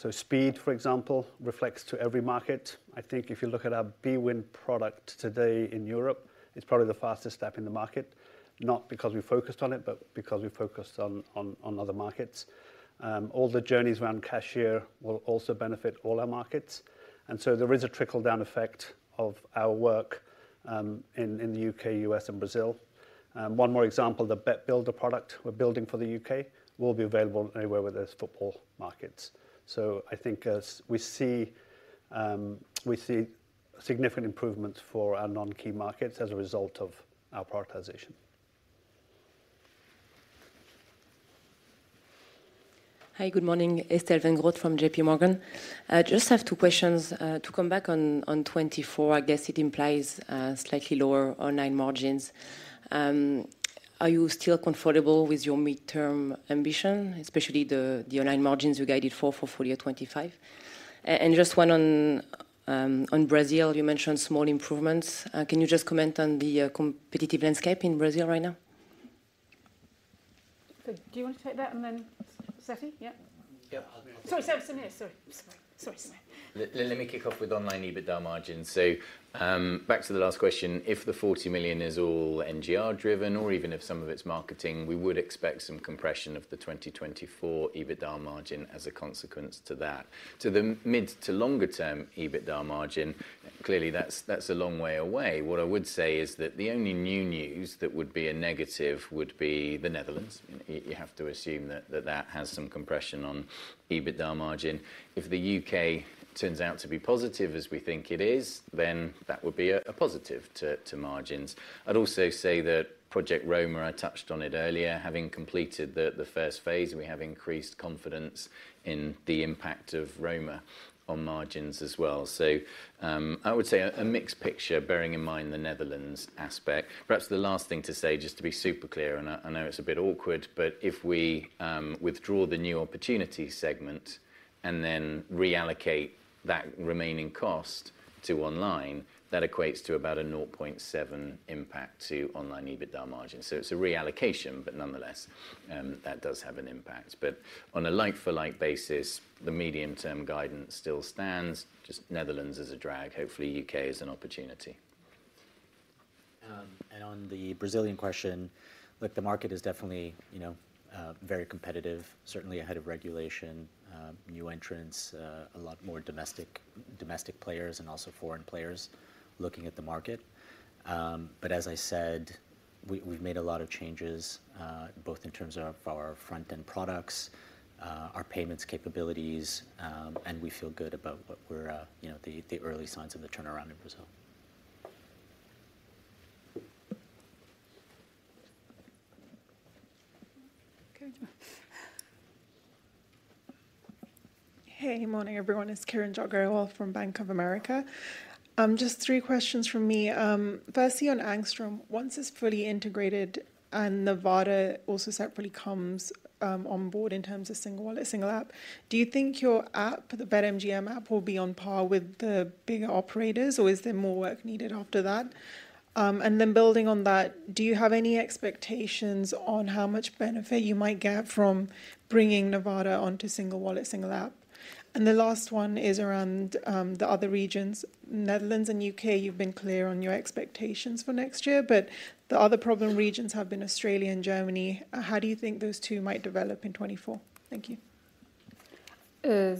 Speaker 4: speed, for example, reflects to every market. I think if you look at our bwin product today in Europe, it's probably the fastest app in the market, not because we focused on it, but because we focused on other markets. All the journeys around cashier will also benefit all our markets, and so there is a trickle-down effect of our work in the U.K., U.S., and Brazil. One more example, the Bet Builder product we're building for the U.K. will be available anywhere where there's football markets. So I think as we see, we see significant improvements for our non-key markets as a result of our prioritization.
Speaker 7: Hi, good morning. Estelle Weingrod from JP Morgan. I just have two questions. To come back on, on 2024, I guess it implies, slightly lower online margins. Are you still comfortable with your midterm ambition, especially the, the online margins you guided for, for full year 2025? And just one on, on Brazil, you mentioned small improvements. Can you just comment on the, the competitive landscape in Brazil right now?
Speaker 1: Good. Do you want to take that and then, Satty? Yeah.
Speaker 3: Yeah, I'll
Speaker 1: Sorry, Sameer. Sorry, sorry. Sorry, Sameer.
Speaker 3: Let me kick off with online EBITDA margins. So, back to the last question, if the 40 million is all NGR driven, or even if some of it's marketing, we would expect some compression of the 2024 EBITDA margin as a consequence to that. To the mid to longer term EBITDA margin, clearly, that's a long way away. What I would say is that the only new news that would be a negative would be the Netherlands. You have to assume that that has some compression on EBITDA margin. If the U.K. turns out to be positive, as we think it is, then that would be a positive to margins. I'd also say that Project Romer, I touched on it earlier, having completed the first phase, we have increased confidence in the impact of Romer on margins as well. So, I would say a mixed picture, bearing in mind the Netherlands aspect. Perhaps the last thing to say, just to be super clear, and I know it's a bit awkward, but if we withdraw the New Opportunity segment and then reallocate that remaining cost to online, that equates to about a 0.7 impact to online EBITDA margin. So it's a reallocation, but nonetheless, that does have an impact. But on a like-for-like basis, the medium-term guidance still stands, just Netherlands is a drag. Hopefully, U.K. is an opportunity. And on the Brazilian question, look, the market is definitely, you know, very competitive, certainly ahead of regulation, new entrants, a lot more domestic, domestic players and also foreign players looking at the market. But as I said, we, we've made a lot of changes, both in terms of our front-end products, our payments capabilities, and we feel good about what we're, you know, the, the early signs of the turnaround in Brazil.
Speaker 8: Hey, good morning, everyone. It's Kiranjot Kaur from Bank of America. Just three questions from me. Firstly, on Angstrom, once it's fully integrated and Nevada also separately comes on board in terms of single wallet, single app, do you think your app, the BetMGM app, will be on par with the bigger operators, or is there more work needed after that? And then building on that, do you have any expectations on how much benefit you might get from bringing Nevada onto single wallet, single app? And the last one is around the other regions. Netherlands and U.K., you've been clear on your expectations for next year, but the other problem regions have been Australia and Germany. How do you think those two might develop in 2024? Thank you.
Speaker 1: Uh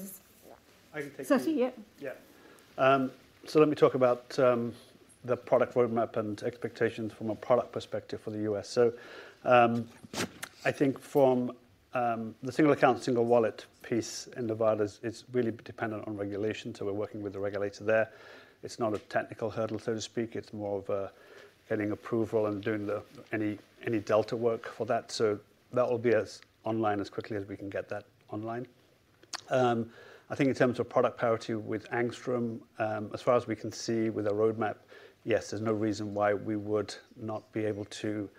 Speaker 4: I can take.
Speaker 1: Setty, yeah.
Speaker 4: Yeah. So let me talk about the product roadmap and expectations from a product perspective for the U.S. So, I think from the Single Account, Single Wallet piece in Nevada is really dependent on regulation, so we're working with the regulator there. It's not a technical hurdle, so to speak, it's more of getting approval and doing the any delta work for that. So that will be as online as quickly as we can get that online. I think in terms of product parity with Angstrom, as far as we can see with our roadmap, yes, there's no reason why we would not be able to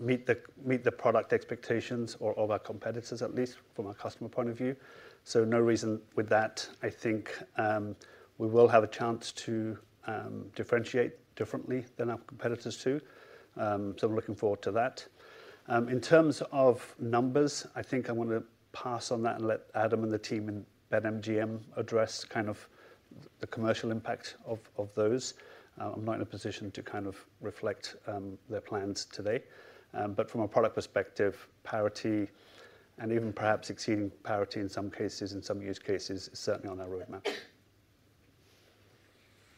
Speaker 4: meet the product expectations or of our competitors, at least from a customer point of view. So no reason with that. I think, we will have a chance to, differentiate differently than our competitors, too. So we're looking forward to that. In terms of numbers, I think I'm gonna pass on that and let Adam and the team in BetMGM address kind of the commercial impact of, of those. I'm not in a position to kind of reflect, their plans today. But from a product perspective, parity and even perhaps exceeding parity in some cases, in some use cases, is certainly on our roadmap.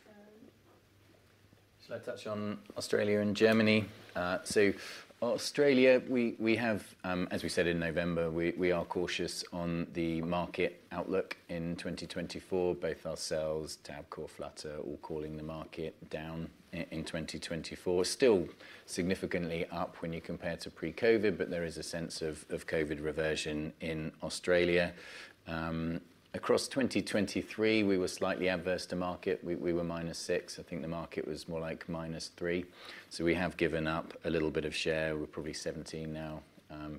Speaker 1: Um
Speaker 2: Shall I touch on Australia and Germany? So Australia, we have, as we said in November, we are cautious on the market outlook in 2024. Both ourselves, Tabcorp, Flutter, all calling the market down in 2024. Still significantly up when you compare to pre-COVID, but there is a sense of COVID reversion in Australia. Across 2023, we were slightly adverse to market. We were -6. I think the market was more like -3. So we have given up a little bit of share. We're probably 17 now,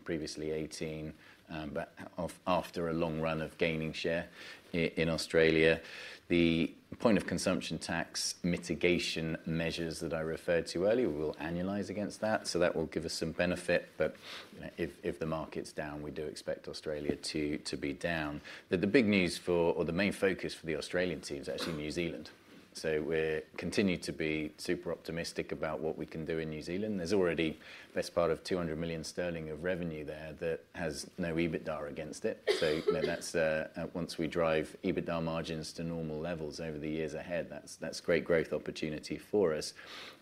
Speaker 2: previously 18, but after a long run of gaining share in Australia. The point of consumption tax mitigation measures that I referred to earlier, we will annualize against that, so that will give us some benefit. You know, if, if the market's down, we do expect Australia to, to be down. But the big news for, or the main focus for the Australian team is actually New Zealand. So we're continue to be super optimistic about what we can do in New Zealand. There's already best part of 200 million sterling of revenue there that has no EBITDA against it. So, you know, that's, once we drive EBITDA margins to normal levels over the years ahead, that's, that's great growth opportunity for us.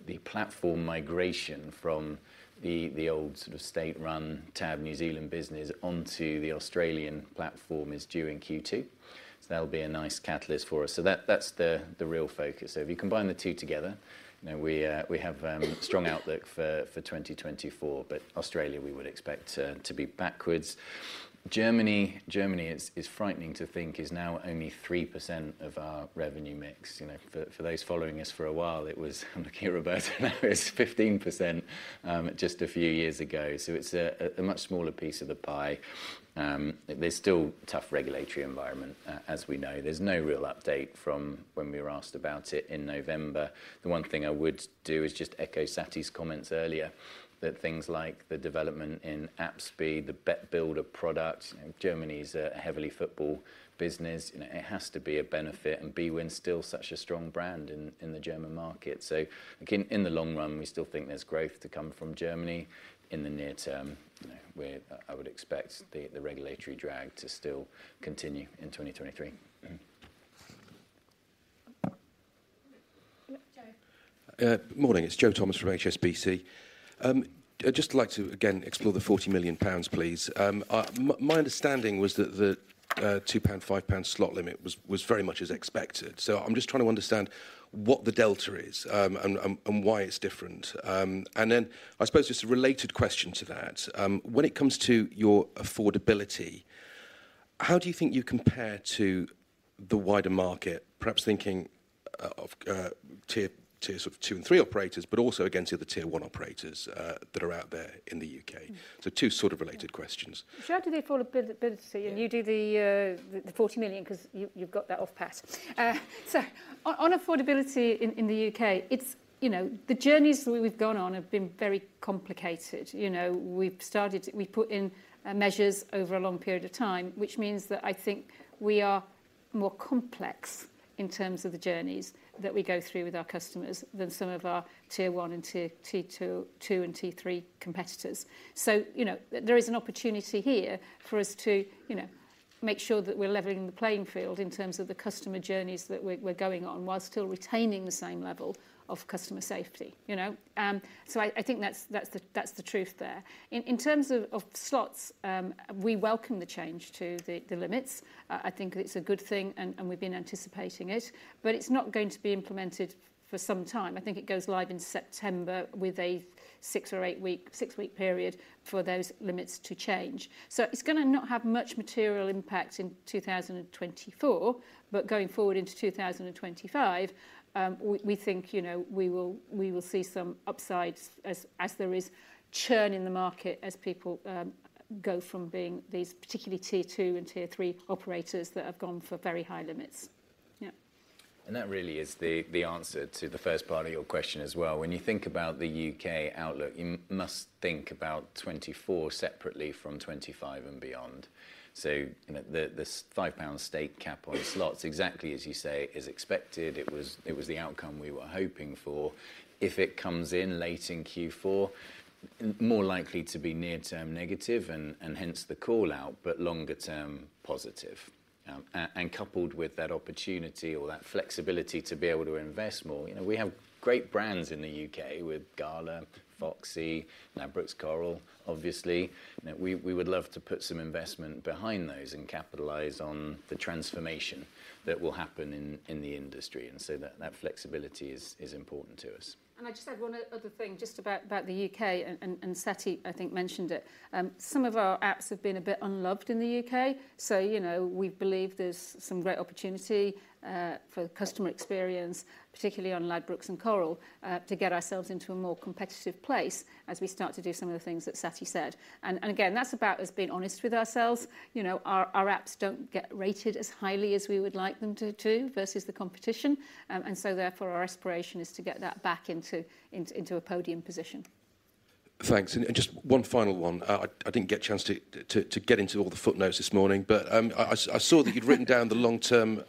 Speaker 2: The platform migration from the, the old sort of state-run TAB New Zealand business onto the Australian platform is due in Q2, so that'll be a nice catalyst for us. So that, that's the, the real focus. So if you combine the two together, you know, we, we have, strong outlook for 2024, but Australia we would expect to be backwards. Germany is frightening to think is now only 3% of our revenue mix. You know, for those following us for a while, it was, I'm looking at Roberta, it was 15%, just a few years ago. So it's a much smaller piece of the pie. There's still a tough regulatory environment as we know. There's no real update from when we were asked about it in November. The one thing I would do is just echo Satty's comments earlier, that things like the development in app speed, the Bet Builder product, you know, Germany's a heavily football business, and it has to be a benefit, and bwin's still such a strong brand in the German market. Again, in the long run, we still think there's growth to come from Germany. In the near term, you know, we're—I would expect the regulatory drag to still continue in 2023. Mm.
Speaker 3: Joe.
Speaker 9: Morning, it's Joe Thomas from HSBC. I'd just like to again explore the 40 million pounds, please. My understanding was that the 2 pound, 5 pound slot limit was very much as expected. So I'm just trying to understand what the delta is, and why it's different. And then I suppose just a related question to that, when it comes to your affordability, how do you think you compare to the wider market? Perhaps thinking of tiers of 2 and 3 operators, but also against the other tier-one operators that are out there in the U.K. So two sort of related questions.
Speaker 1: Shall I do the affordability and you do the 40 million? 'Cause you've got that off pat. So on affordability in the U.K., it's, you know, the journeys we've gone on have been very complicated. You know, we've started. We've put in measures over a long period of time, which means that I think we are more complex in terms of the journeys that we go through with our customers than some of our Tier 1 and Tier 2 and Tier 3 competitors. So, you know, there is an opportunity here for us to, you know, make sure that we're leveling the playing field in terms of the customer journeys that we're going on, while still retaining the same level of customer safety, you know? So I think that's the truth there. In terms of slots, we welcome the change to the limits. I think it's a good thing, and we've been anticipating it, but it's not going to be implemented for some time. I think it goes live in September with a 6- or 8-week, 6-week period for those limits to change. So it's gonna not have much material impact in 2024, but going forward into 2025, we think, you know, we will see some upsides as there is churn in the market, as people go from being these particularly Tier 2 and Tier 3 operators that have gone for very high limits. Yeah.
Speaker 2: That really is the answer to the first part of your question as well. When you think about the U.K. outlook, you must think about 2024 separately from 2025 and beyond. So, you know, the 5 pound stake cap on slots exactly as you say is expected. It was the outcome we were hoping for. If it comes in late in Q4, more likely to be near-term negative, and hence the call-out, but longer-term, positive. And coupled with that opportunity or that flexibility to be able to invest more, you know, we have great brands in the U.K. with Gala, Foxy, Ladbrokes Coral, obviously. You know, we would love to put some investment behind those and capitalize on the transformation that will happen in the industry, and so that flexibility is important to us.
Speaker 1: I'd just add one other thing, just about the U.K., and Satty, I think, mentioned it. Some of our apps have been a bit unloved in the U.K., so, you know, we believe there's some great opportunity for customer experience, particularly on Ladbrokes and Coral, to get ourselves into a more competitive place as we start to do some of the things that Satty said. And again, that's about us being honest with ourselves. You know, our apps don't get rated as highly as we would like them to do versus the competition, and so therefore, our aspiration is to get that back into a podium position.
Speaker 9: Thanks. And just one final one. I didn't get a chance to get into all the footnotes this morning, but I saw that you'd written down the long-term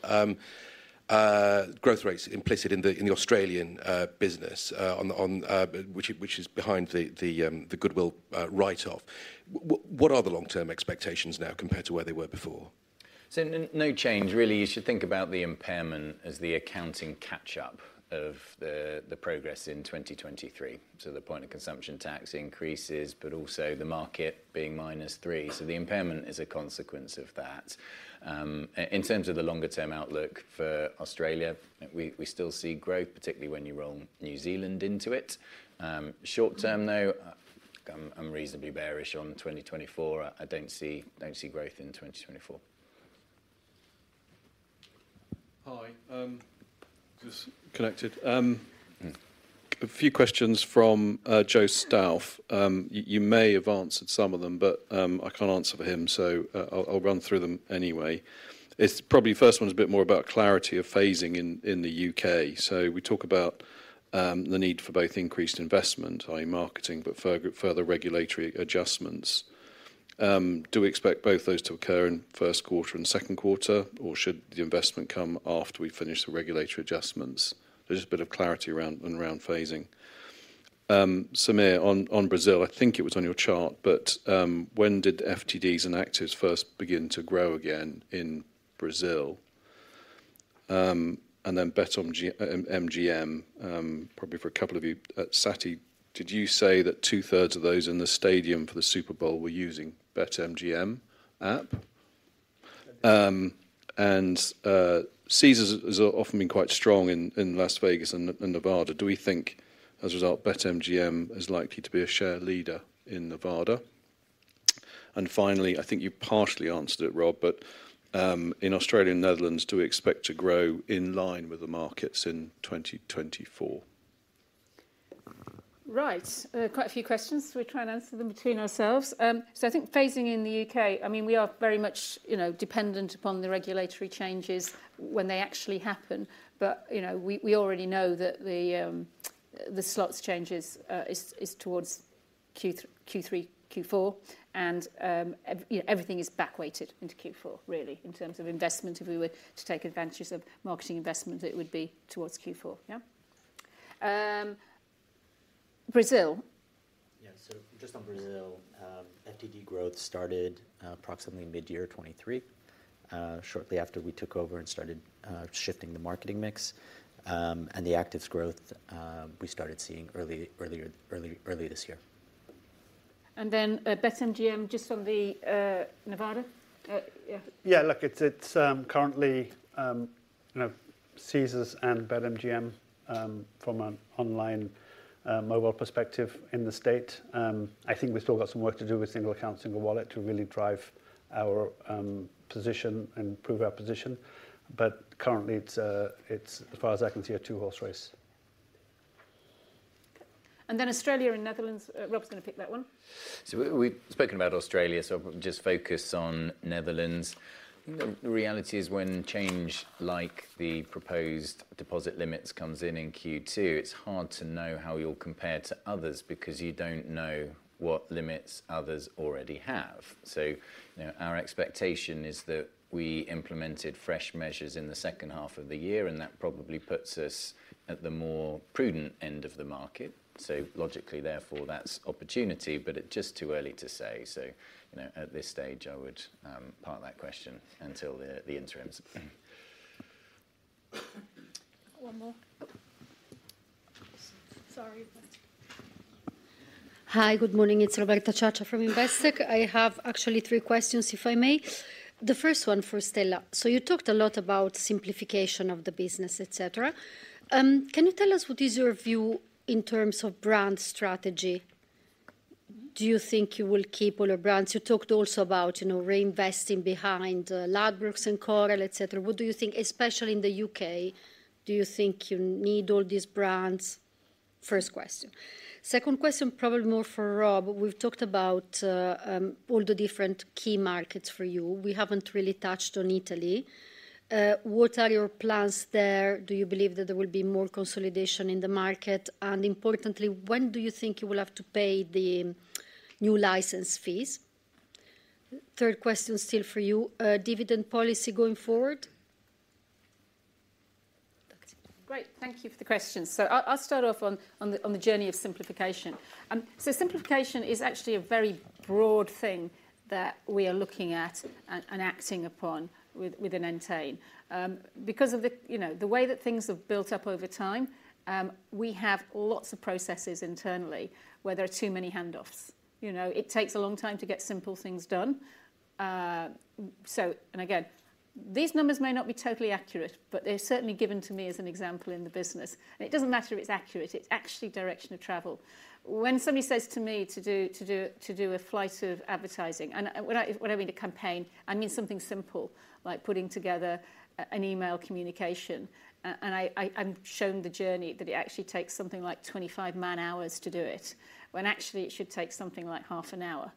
Speaker 9: growth rates implicit in the Australian business on the which is behind the the goodwill write-off. What are the long-term expectations now compared to where they were before?
Speaker 2: So no change, really. You should think about the impairment as the accounting catch-up of the progress in 2023, so the point of consumption tax increases, but also the market being minus three, so the impairment is a consequence of that. In terms of the longer-term outlook for Australia, we still see growth, particularly when you roll New Zealand into it. Short term, though, I'm reasonably bearish on 2024. I don't see growth in 2024.
Speaker 10: Hi, just connected. A few questions from Joe Stauff. You may have answered some of them, but I can't answer for him, so I'll run through them anyway. It's probably first one is a bit more about clarity of phasing in the U.K. So we talk about the need for both increased investment, i.e., marketing, but further regulatory adjustments. Do we expect both those to occur in first quarter and second quarter, or should the investment come after we finish the regulatory adjustments? Just a bit of clarity around phasing. Sameer, on Brazil, I think it was on your chart, but when did FTDs and actives first begin to grow again in Brazil? And then BetMGM, probably for a couple of you. Sati, did you say that two-thirds of those in the stadium for the Super Bowl were using BetMGM app? And Caesars has often been quite strong in Las Vegas and Nevada. Do we think, as a result, BetMGM is likely to be a share leader in Nevada? And finally, I think you partially answered it, Rob, but in Australia and Netherlands, do we expect to grow in line with the markets in 2024?
Speaker 1: Right. Quite a few questions. We'll try and answer them between ourselves. So I think phasing in the U.K., I mean, we are very much, you know, dependent upon the regulatory changes when they actually happen. But, you know, we already know that the slots changes is towards Q3, Q4, and you know, everything is back weighted into Q4, really, in terms of investment. If we were to take advantage of marketing investment, it would be towards Q4. Yeah. Brazil?
Speaker 3: Yeah. So just on Brazil, FTD growth started approximately mid-year 2023, shortly after we took over and started shifting the marketing mix. And the actives growth, we started seeing earlier this year.
Speaker 1: And then, BetMGM, just on the, Nevada. Yeah.
Speaker 4: Yeah, look, it's currently, you know, Caesars and BetMGM from an online mobile perspective in the state. I think we've still got some work to do with single account, single wallet to really drive our position and improve our position. But currently, it's as far as I can see, a two-horse race.
Speaker 1: Okay. And then Australia and Netherlands, Rob's gonna pick that one.
Speaker 2: So we've spoken about Australia, so just focus on Netherlands. The reality is when change, like the proposed deposit limits, comes in in Q2, it's hard to know how you'll compare to others because you don't know what limits others already have. So, you know, our expectation is that we implemented fresh measures in the second half of the year, and that probably puts us at the more prudent end of the market. So logically, therefore, that's opportunity, but it's just too early to say. So, you know, at this stage, I would park that question until the interims.
Speaker 1: One more. Sorry about
Speaker 11: Hi, good morning, it's Roberta Ciaccia from Investec. I have actually three questions, if I may. The first one for Stella. So you talked a lot about simplification of the business, et cetera. Can you tell us what is your view in terms of brand strategy? Do you think you will keep all your brands? You talked also about, you know, reinvesting behind Ladbrokes and Coral, et cetera. What do you think, especially in the U.K., do you think you need all these brands? First question. Second question, probably more for Rob. We've talked about all the different key markets for you. We haven't really touched on Italy. What are your plans there? Do you believe that there will be more consolidation in the market? And importantly, when do you think you will have to pay the new license fees? Third question, still for you, dividend policy going forward?
Speaker 1: Great, thank you for the questions. So I'll start off on the journey of simplification. So simplification is actually a very broad thing that we are looking at and acting upon within Entain. Because of the, you know, the way that things have built up over time, we have lots of processes internally where there are too many handoffs. You know, it takes a long time to get simple things done. So, and again, these numbers may not be totally accurate, but they're certainly given to me as an example in the business. And it doesn't matter if it's accurate, it's actually direction of travel. When somebody says to me to do a flight of advertising, and when I mean a campaign, I mean something simple, like putting together an email communication. And I'm shown the journey that it actually takes something like 25 man-hours to do it, when actually it should take something like half an hour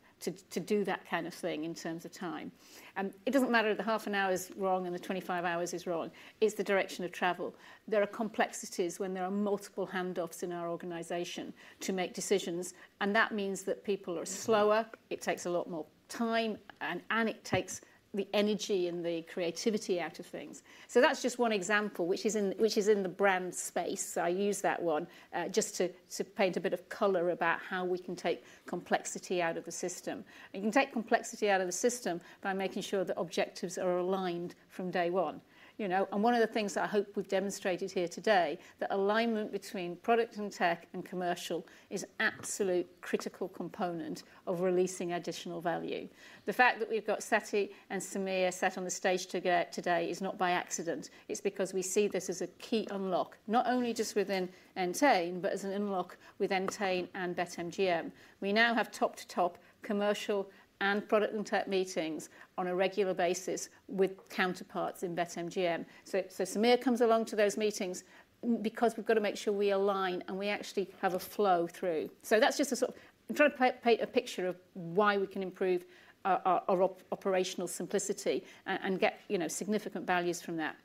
Speaker 1: to do that kind of thing in terms of time. And it doesn't matter if the half an hour is wrong and the 25 hours is wrong, it's the direction of travel. There are complexities when there are multiple handoffs in our organization to make decisions, and that means that people are slower it takes a lot more time, and it takes the energy and the creativity out of things. So that's just one example, which is in the brand space. So I use that one, just to paint a bit of color about how we can take complexity out of the system. You can take complexity out of the system by making sure the objectives are aligned from day one. You know, and one of the things that I hope we've demonstrated here today, that alignment between product and tech, and commercial, is absolute critical component of releasing additional value. The fact that we've got Satty and Sameer sat on the stage together today is not by accident. It's because we see this as a key unlock, not only just within Entain, but as an unlock with Entain and BetMGM. We now have top-to-top commercial and product and tech meetings on a regular basis with counterparts in BetMGM. So Sameer comes along to those meetings because we've got to make sure we align and we actually have a flow through. So that's just a sort of, I'm trying to paint a picture of why we can improve our operational simplicity and get, you know, significant values from that.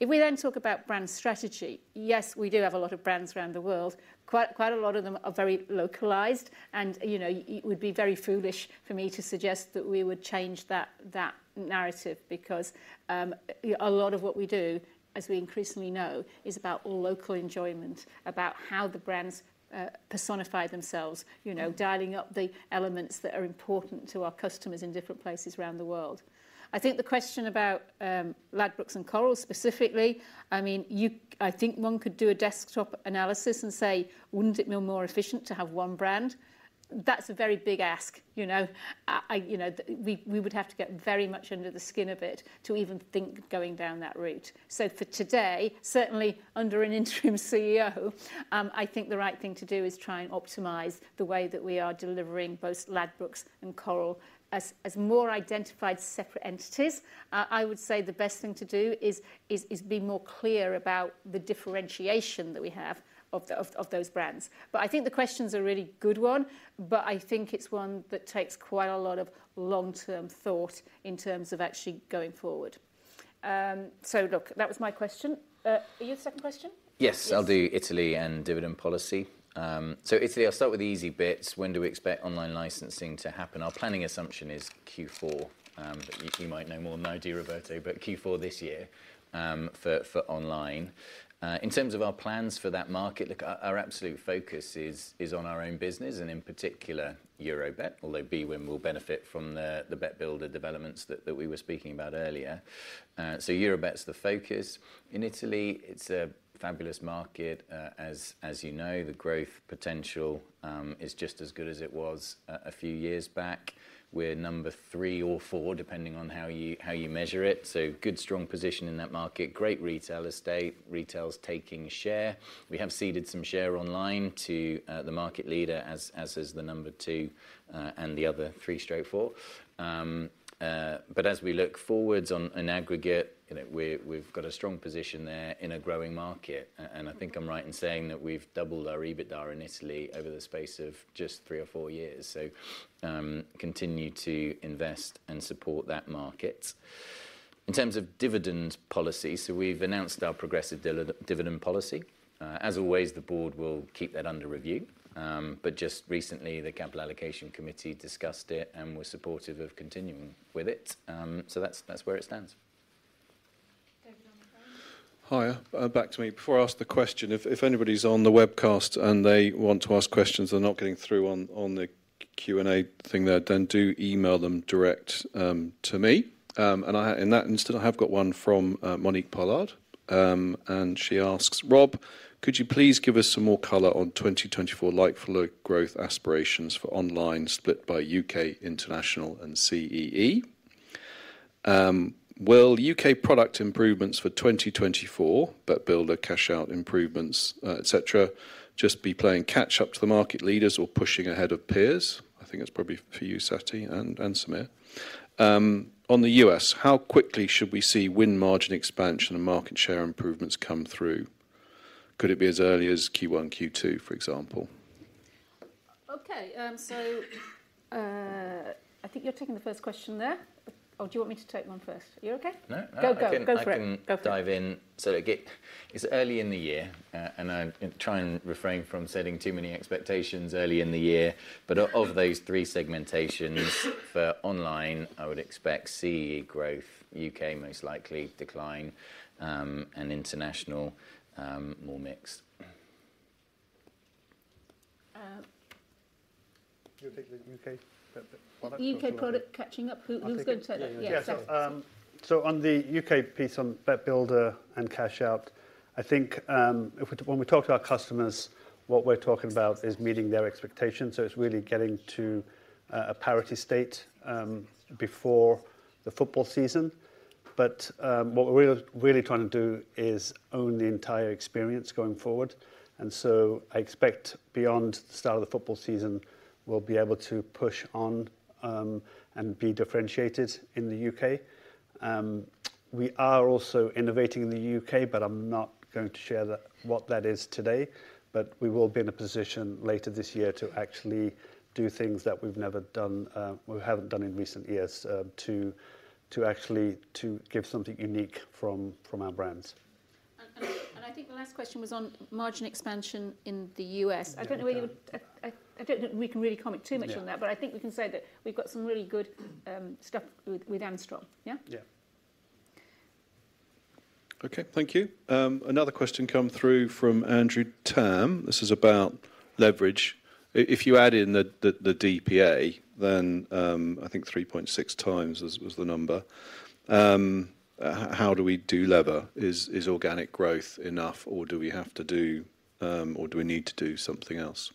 Speaker 1: If we then talk about brand strategy, yes, we do have a lot of brands around the world. Quite, quite a lot of them are very localized, and, you know, it would be very foolish for me to suggest that we would change that, that narrative, because, a lot of what we do, as we increasingly know, is about all local enjoyment, about how the brands, personify themselves, you know, dialing up the elements that are important to our customers in different places around the world. I think the question about, Ladbrokes and Coral specifically, I mean, you I think one could do a desktop analysis and say: Wouldn't it be more efficient to have one brand? That's a very big ask, you know. I, you know, we would have to get very much under the skin of it to even think going down that route. So for today, certainly under an Interim CEO, I think the right thing to do is try and optimize the way that we are delivering both Ladbrokes and Coral as more identified separate entities. I would say the best thing to do is be more clear about the differentiation that we have of those brands. But I think the question's a really good one, but I think it's one that takes quite a lot of long-term thought in terms of actually going forward. So look, that was my question. Are you the second question?
Speaker 2: Yes.
Speaker 1: Yes.
Speaker 2: I'll do Italy and dividend policy. So Italy, I'll start with the easy bits. When do we expect online licensing to happen? Our planning assumption is Q4, but you might know more than I do, Roberta, but Q4 this year, for online. In terms of our plans for that market, look, our absolute focus is on our own business, and in particular, Eurobet, although bwin will benefit from the Bet Builder developments that we were speaking about earlier. So Eurobet's the focus. In Italy, it's a fabulous market, as you know, the growth potential is just as good as it was a few years back. We're number three or four, depending on how you measure it, so good, strong position in that market, great retail estate, retail's taking share. We have ceded some share online to, the market leader as, as is the number two, and the other three, straight four. But as we look forward on an aggregate, you know, we've got a strong position there in a growing market. And I think I'm right in saying that we've doubled our EBITDA in Italy over the space of just three or four years, so, continue to invest and support that market. In terms of dividend policy, so we've announced our progressive dividend policy. As always, the board will keep that under review. But just recently, the Capital Allocation Committee discussed it and was supportive of continuing with it. So that's, that's where it stands.
Speaker 10: Hi, back to me. Before I ask the question, if anybody's on the webcast and they want to ask questions, they're not getting through on the Q&A thing there, then do email them direct to me. In that instance, I have got one from Monique Pollard. She asks: "Rob, could you please give us some more color on 2024 like-for-like growth aspirations for online, split by U.K., International, and CEE? Will U.K. product improvements for 2024, Bet Builder, cash out improvements, et cetera, just be playing catch-up to the market leaders or pushing ahead of peers?" I think that's probably for you, Satty and Sameer. On the US: "How quickly should we see win margin expansion and market share improvements come through? Could it be as early as Q1, Q2, for example?
Speaker 1: Okay, I think you're taking the first question there. Or do you want me to take one first? You okay?
Speaker 2: No, I can
Speaker 1: Go, go. Go for it.
Speaker 2: I can
Speaker 1: Go for it.
Speaker 2: Dive in. So again, it's early in the year, and I'm going to try and refrain from setting too many expectations early in the year. But of those three segmentations, for online, I would expect CEE growth, U.K. most likely decline, and international, more mixed. You'll take the U.K. product?
Speaker 1: The U.K. product catching up, who, who's going to take that?
Speaker 4: I think
Speaker 1: Yes.
Speaker 4: Yeah, so on the U.K. piece on Bet Builder and cash out, I think, if we, when we talk to our customers, what we're talking about is meeting their expectations, so it's really getting to a parity state before the football season, but what we're really trying to do is own the entire experience going forward. And so I expect beyond the start of the football season, we'll be able to push on and be differentiated in the U.K. We are also innovating in the U.K., but I'm not going to share that, what that is today. But we will be in a position later this year to actually do things that we've never done or haven't done in recent years to actually give something unique from our brands.
Speaker 1: I think the last question was on margin expansion in the U.S. I don't know whether you. I don't think we can really comment too much on that
Speaker 4: Yeah.
Speaker 1: But I think we can say that we've got some really good stuff with Angstrom. Yeah?
Speaker 4: Yeah.
Speaker 10: Okay, thank you. Another question come through from Andrew Tam. This is about leverage. If you add in the DPA, then I think 3.6 times was the number. How do we do lever? Is organic growth enough, or do we have to do, or do we need to do something else?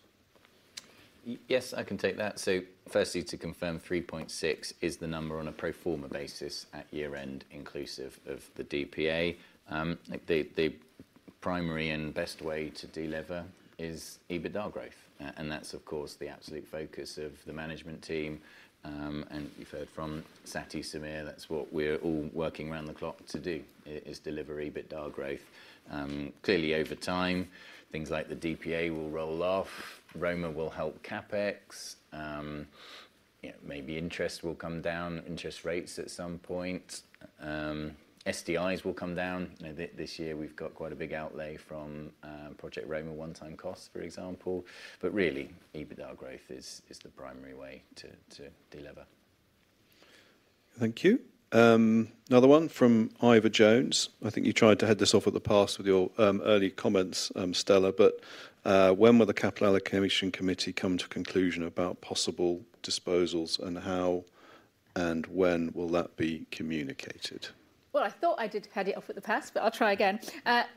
Speaker 3: Yes, I can take that. So firstly, to confirm, 3.6 is the number on a pro forma basis at year-end, inclusive of the DPA. The primary and best way to delever is EBITDA growth. And that's, of course, the absolute focus of the management team. And you've heard from Satty, Sameer, that's what we're all working around the clock to do, is deliver EBITDA growth. Clearly, over time, things like the DPA will roll off, Romer will help CapEx. Yeah, maybe interest will come down, interest rates at some point. SDIs will come down. You know, this year we've got quite a big outlay from Project Roma one-time costs, for example. But really, EBITDA growth is the primary way to delever.
Speaker 10: Thank you. Another one from Ivor Jones. I think you tried to head this off at the pass with your early comments, Stella, but when will the Capital Allocation Committee come to a conclusion about possible disposals, and how and when will that be communicated?
Speaker 1: Well, I thought I did head it off at the pass, but I'll try again.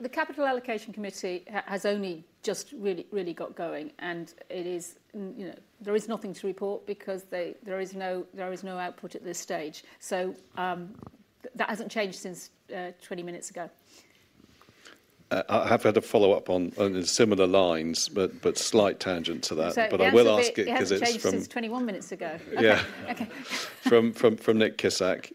Speaker 1: The Capital Allocation Committee has only just really, really got going, and it is, you know, there is nothing to report because there is no, there is no output at this stage. So, that hasn't changed since 20 minutes ago.
Speaker 10: I have had a follow-up on similar lines, but a slight tangent to that.
Speaker 1: So the answer
Speaker 10: But I will ask it because it's from
Speaker 1: It hasn't changed since 21 minutes ago.
Speaker 10: Yeah.
Speaker 1: Okay.
Speaker 10: From Nick Kissack.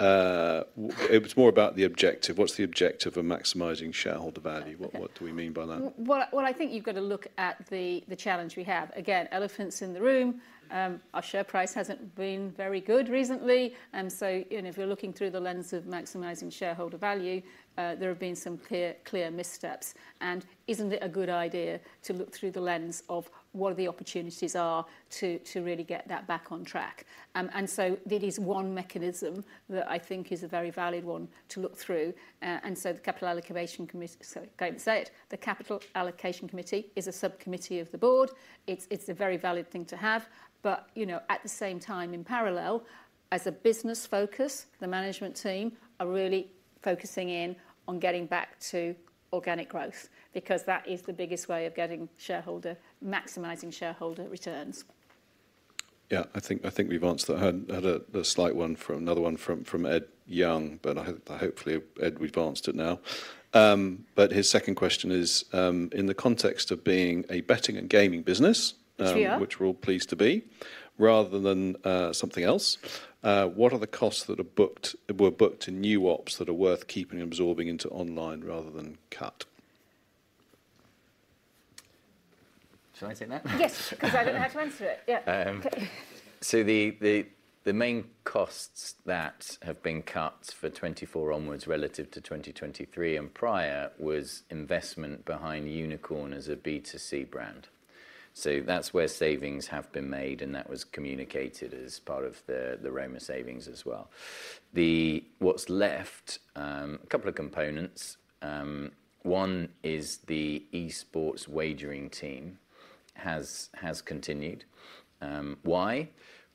Speaker 10: It's more about the objective. What's the objective of maximizing shareholder value?
Speaker 1: Okay.
Speaker 10: What, what do we mean by that?
Speaker 1: Well, well, I think you've got to look at the challenge we have. Again, elephant in the room, our share price hasn't been very good recently, and so, you know, if you're looking through the lens of maximizing shareholder value, there have been some clear missteps. And isn't it a good idea to look through the lens of what the opportunities are to really get that back on track? And so it is one mechanism that I think is a very valid one to look through. And so the Capital Allocation Committee, sorry, I was going to say it, the Capital Allocation Committee is a subcommittee of the board. It's a very valid thing to have, but, you know, at the same time, in parallel, as a business focus, the management team are really focusing in on getting back to organic growth, because that is the biggest way of getting shareholder, maximizing shareholder returns.
Speaker 10: Yeah, I think, I think we've answered that. Had a slight one from another one from Ed Young, but hopefully, Ed, we've answered it now. But his second question is: in the context of being a betting and gaming business-
Speaker 1: Which we are
Speaker 10: Which we're all pleased to be, rather than, something else, what are the costs that are booked, were booked in new ops that are worth keeping and absorbing into online rather than cut?
Speaker 2: Shall I take that?
Speaker 1: Yes, 'cause I don't know how to answer it. Yeah.
Speaker 2: So the main costs that have been cut for 2024 onwards, relative to 2023 and prior, was investment behind Unikrn as a B2C brand. So that's where savings have been made, and that was communicated as part of the Romer savings as well. What's left, a couple of components. One is the eSports wagering team has continued. Why?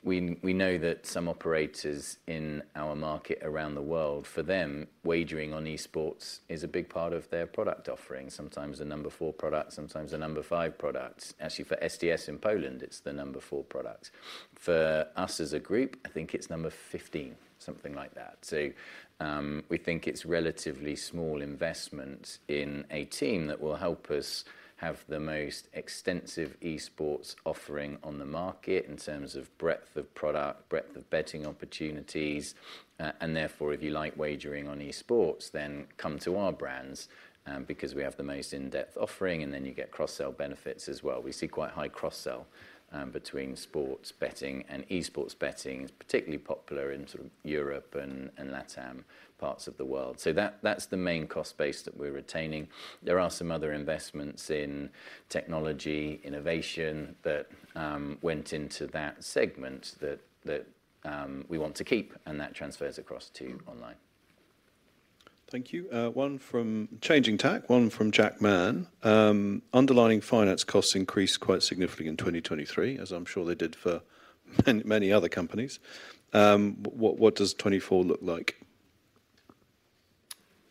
Speaker 2: We know that some operators in our market around the world, for them, wagering on eSports is a big part of their product offering, sometimes a number 4 product, sometimes a number 5 product. Actually, for STS in Poland, it's the number 4 product. For us as a group, I think it's number 15, something like that. So, we think it's relatively small investment in a team that will help us have the most extensive eSports offering on the market in terms of breadth of product, breadth of betting opportunities. And therefore, if you like wagering on eSports, then come to our brands, because we have the most in-depth offering, and then you get cross-sell benefits as well. We see quite high cross-sell between sports betting and eSports betting. It's particularly popular in sort of Europe and LATAM parts of the world. So that's the main cost base that we're retaining. There are some other investments in technology, innovation, that went into that segment that we want to keep, and that transfers across to online.
Speaker 10: Thank you. One from Changing tack, one from Jack Mann. Underlying finance costs increased quite significantly in 2023, as I'm sure they did for many, many other companies. What does 2024 look like?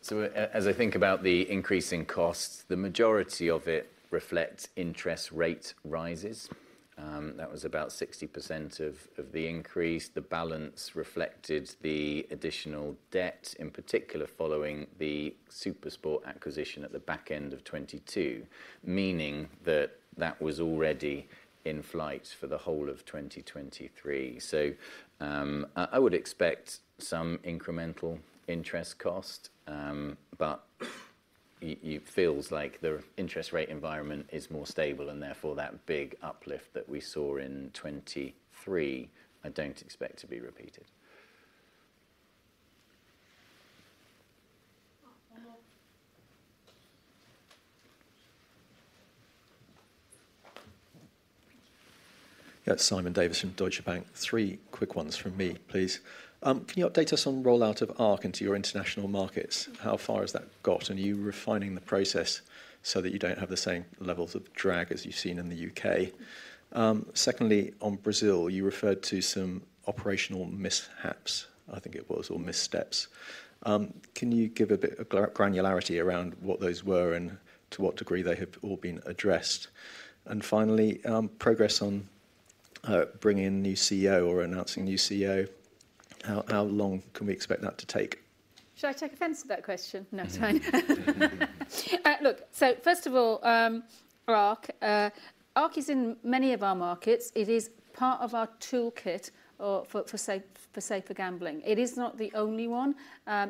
Speaker 2: So as I think about the increasing costs, the majority of it reflects interest rate rises. That was about 60% of the increase. The balance reflected the additional debt, in particular, following the SuperSport acquisition at the back end of 2022, meaning that was already in flight for the whole of 2023. So I would expect some incremental interest cost, but it feels like the interest rate environment is more stable, and therefore, that big uplift that we saw in 2023, I don't expect to be repeated.
Speaker 1: One more.
Speaker 12: Yeah, Simon Davies from Deutsche Bank. Three quick ones from me, please. Can you update us on rollout of ARC into your international markets? How far has that got? And are you refining the process so that you don't have the same levels of drag as you've seen in the UK? Secondly, on Brazil, you referred to some operational mishaps, I think it was, or missteps. Can you give a bit of granularity around what those were and to what degree they have all been addressed? And finally, progress on bringing in a new CEO or announcing a new CEO, how long can we expect that to take?
Speaker 1: Should I take offense to that question? No, it's fine. Look, so first of all, ARC. ARC is in many of our markets. It is part of our toolkit for safer gambling. It is not the only one.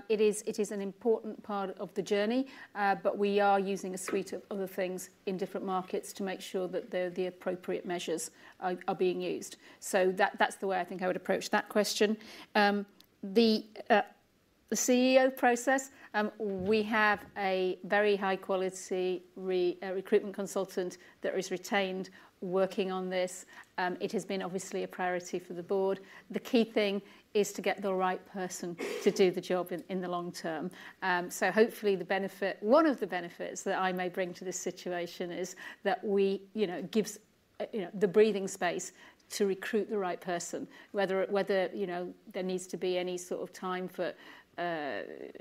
Speaker 1: It is an important part of the journey, but we are using a suite of other things in different markets to make sure that the appropriate measures are being used. So that, that's the way I think I would approach that question. The CEO process, we have a very high-quality recruitment consultant that is retained working on this. It has been obviously a priority for the board. The key thing is to get the right person to do the job in the long term. So hopefully the benefit, one of the benefits that I may bring to this situation is that we, you know, gives, you know, the breathing space to recruit the right person, whether, you know, there needs to be any sort of time for,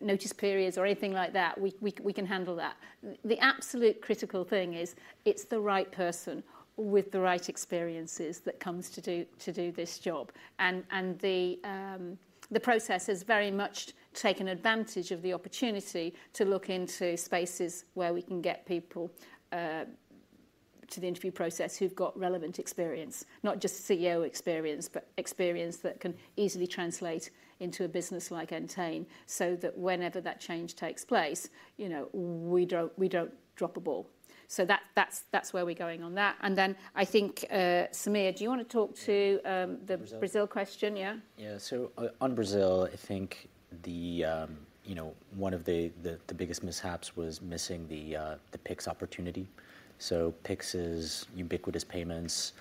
Speaker 1: notice periods or anything like that, we, we, we can handle that. The absolute critical thing is, it's the right person with the right experiences that comes to do, to do this job. And, and the, the process has very much taken advantage of the opportunity to look into spaces where we can get people, to the interview process who've got relevant experience. Not just CEO experience, but experience that can easily translate into a business like Entain, so that whenever that change takes place, you know, we don't, we don't drop a ball. So that's where we're going on that. And then, I think, Sameer, do you wanna talk to
Speaker 3: Brazil
Speaker 1: The Brazil question? Yeah.
Speaker 3: Yeah. So on Brazil, I think the, you know, one of the, the biggest mishaps was missing the Pix opportunity. So Pix is ubiquitous payments,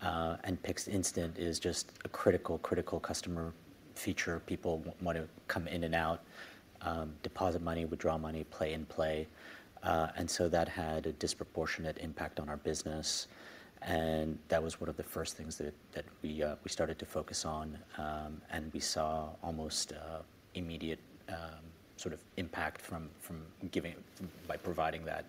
Speaker 3: and Pix Instant is just a critical, critical customer feature. People wanna come in and out, deposit money, withdraw money, play, and play. And so that had a disproportionate impact on our business, and that was one of the first things that we started to focus on. And we saw almost an immediate, sort of impact from giving by providing that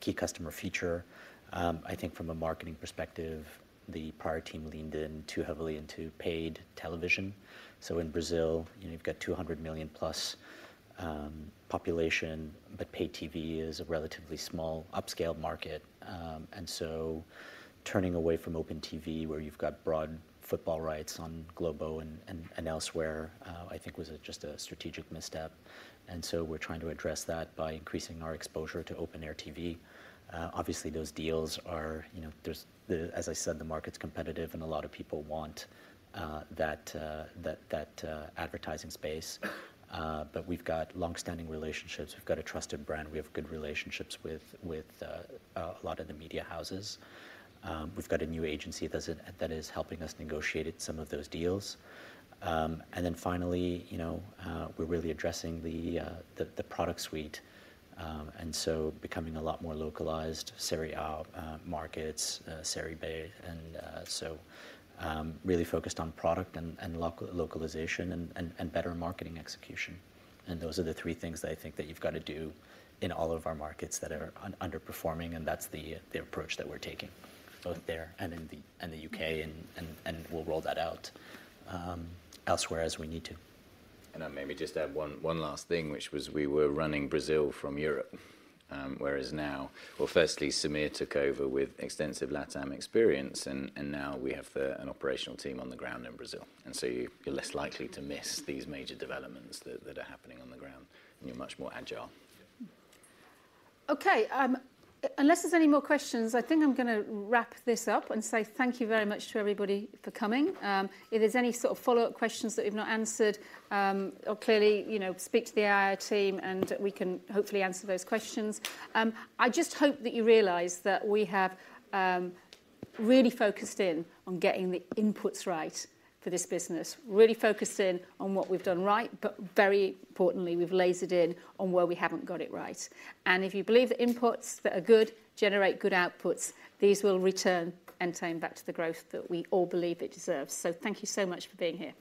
Speaker 3: key customer feature. I think from a marketing perspective, the prior team leaned in too heavily into paid television. So in Brazil, you've got 200 million plus population, but paid TV is a relatively small, upscale market. And so turning away from open TV, where you've got broad football rights on Globo and elsewhere, I think was just a strategic misstep. And so we're trying to address that by increasing our exposure to open air TV. Obviously, those deals are, you know, there's the. As I said, the market's competitive, and a lot of people want that advertising space. But we've got longstanding relationships. We've got a trusted brand. We have good relationships with a lot of the media houses. We've got a new agency that's helping us negotiate some of those deals. And then finally, you know, we're really addressing the product suite, and so becoming a lot more localized, Serie A markets, Serie B. Really focused on product and localization and better marketing execution. And those are the three things that I think that you've got to do in all of our markets that are underperforming, and that's the approach that we're taking, both there and in the U.K., and we'll roll that out elsewhere, as we need to.
Speaker 2: And then maybe just add one last thing, which was we were running Brazil from Europe. Whereas now. Well, firstly, Sameer took over with extensive LatAm experience, and now we have an operational team on the ground in Brazil. So you're less likely to miss these major developments that are happening on the ground, and you're much more agile.
Speaker 1: Okay, unless there's any more questions, I think I'm gonna wrap this up and say thank you very much to everybody for coming. If there's any sort of follow-up questions that we've not answered, or clearly, you know, speak to the IR team, and we can hopefully answer those questions. I just hope that you realize that we have really focused in on getting the inputs right for this business. Really focused in on what we've done right, but very importantly, we've lasered in on where we haven't got it right. And if you believe the inputs that are good, generate good outputs, these will return Entain back to the growth that we all believe it deserves. So thank you so much for being here.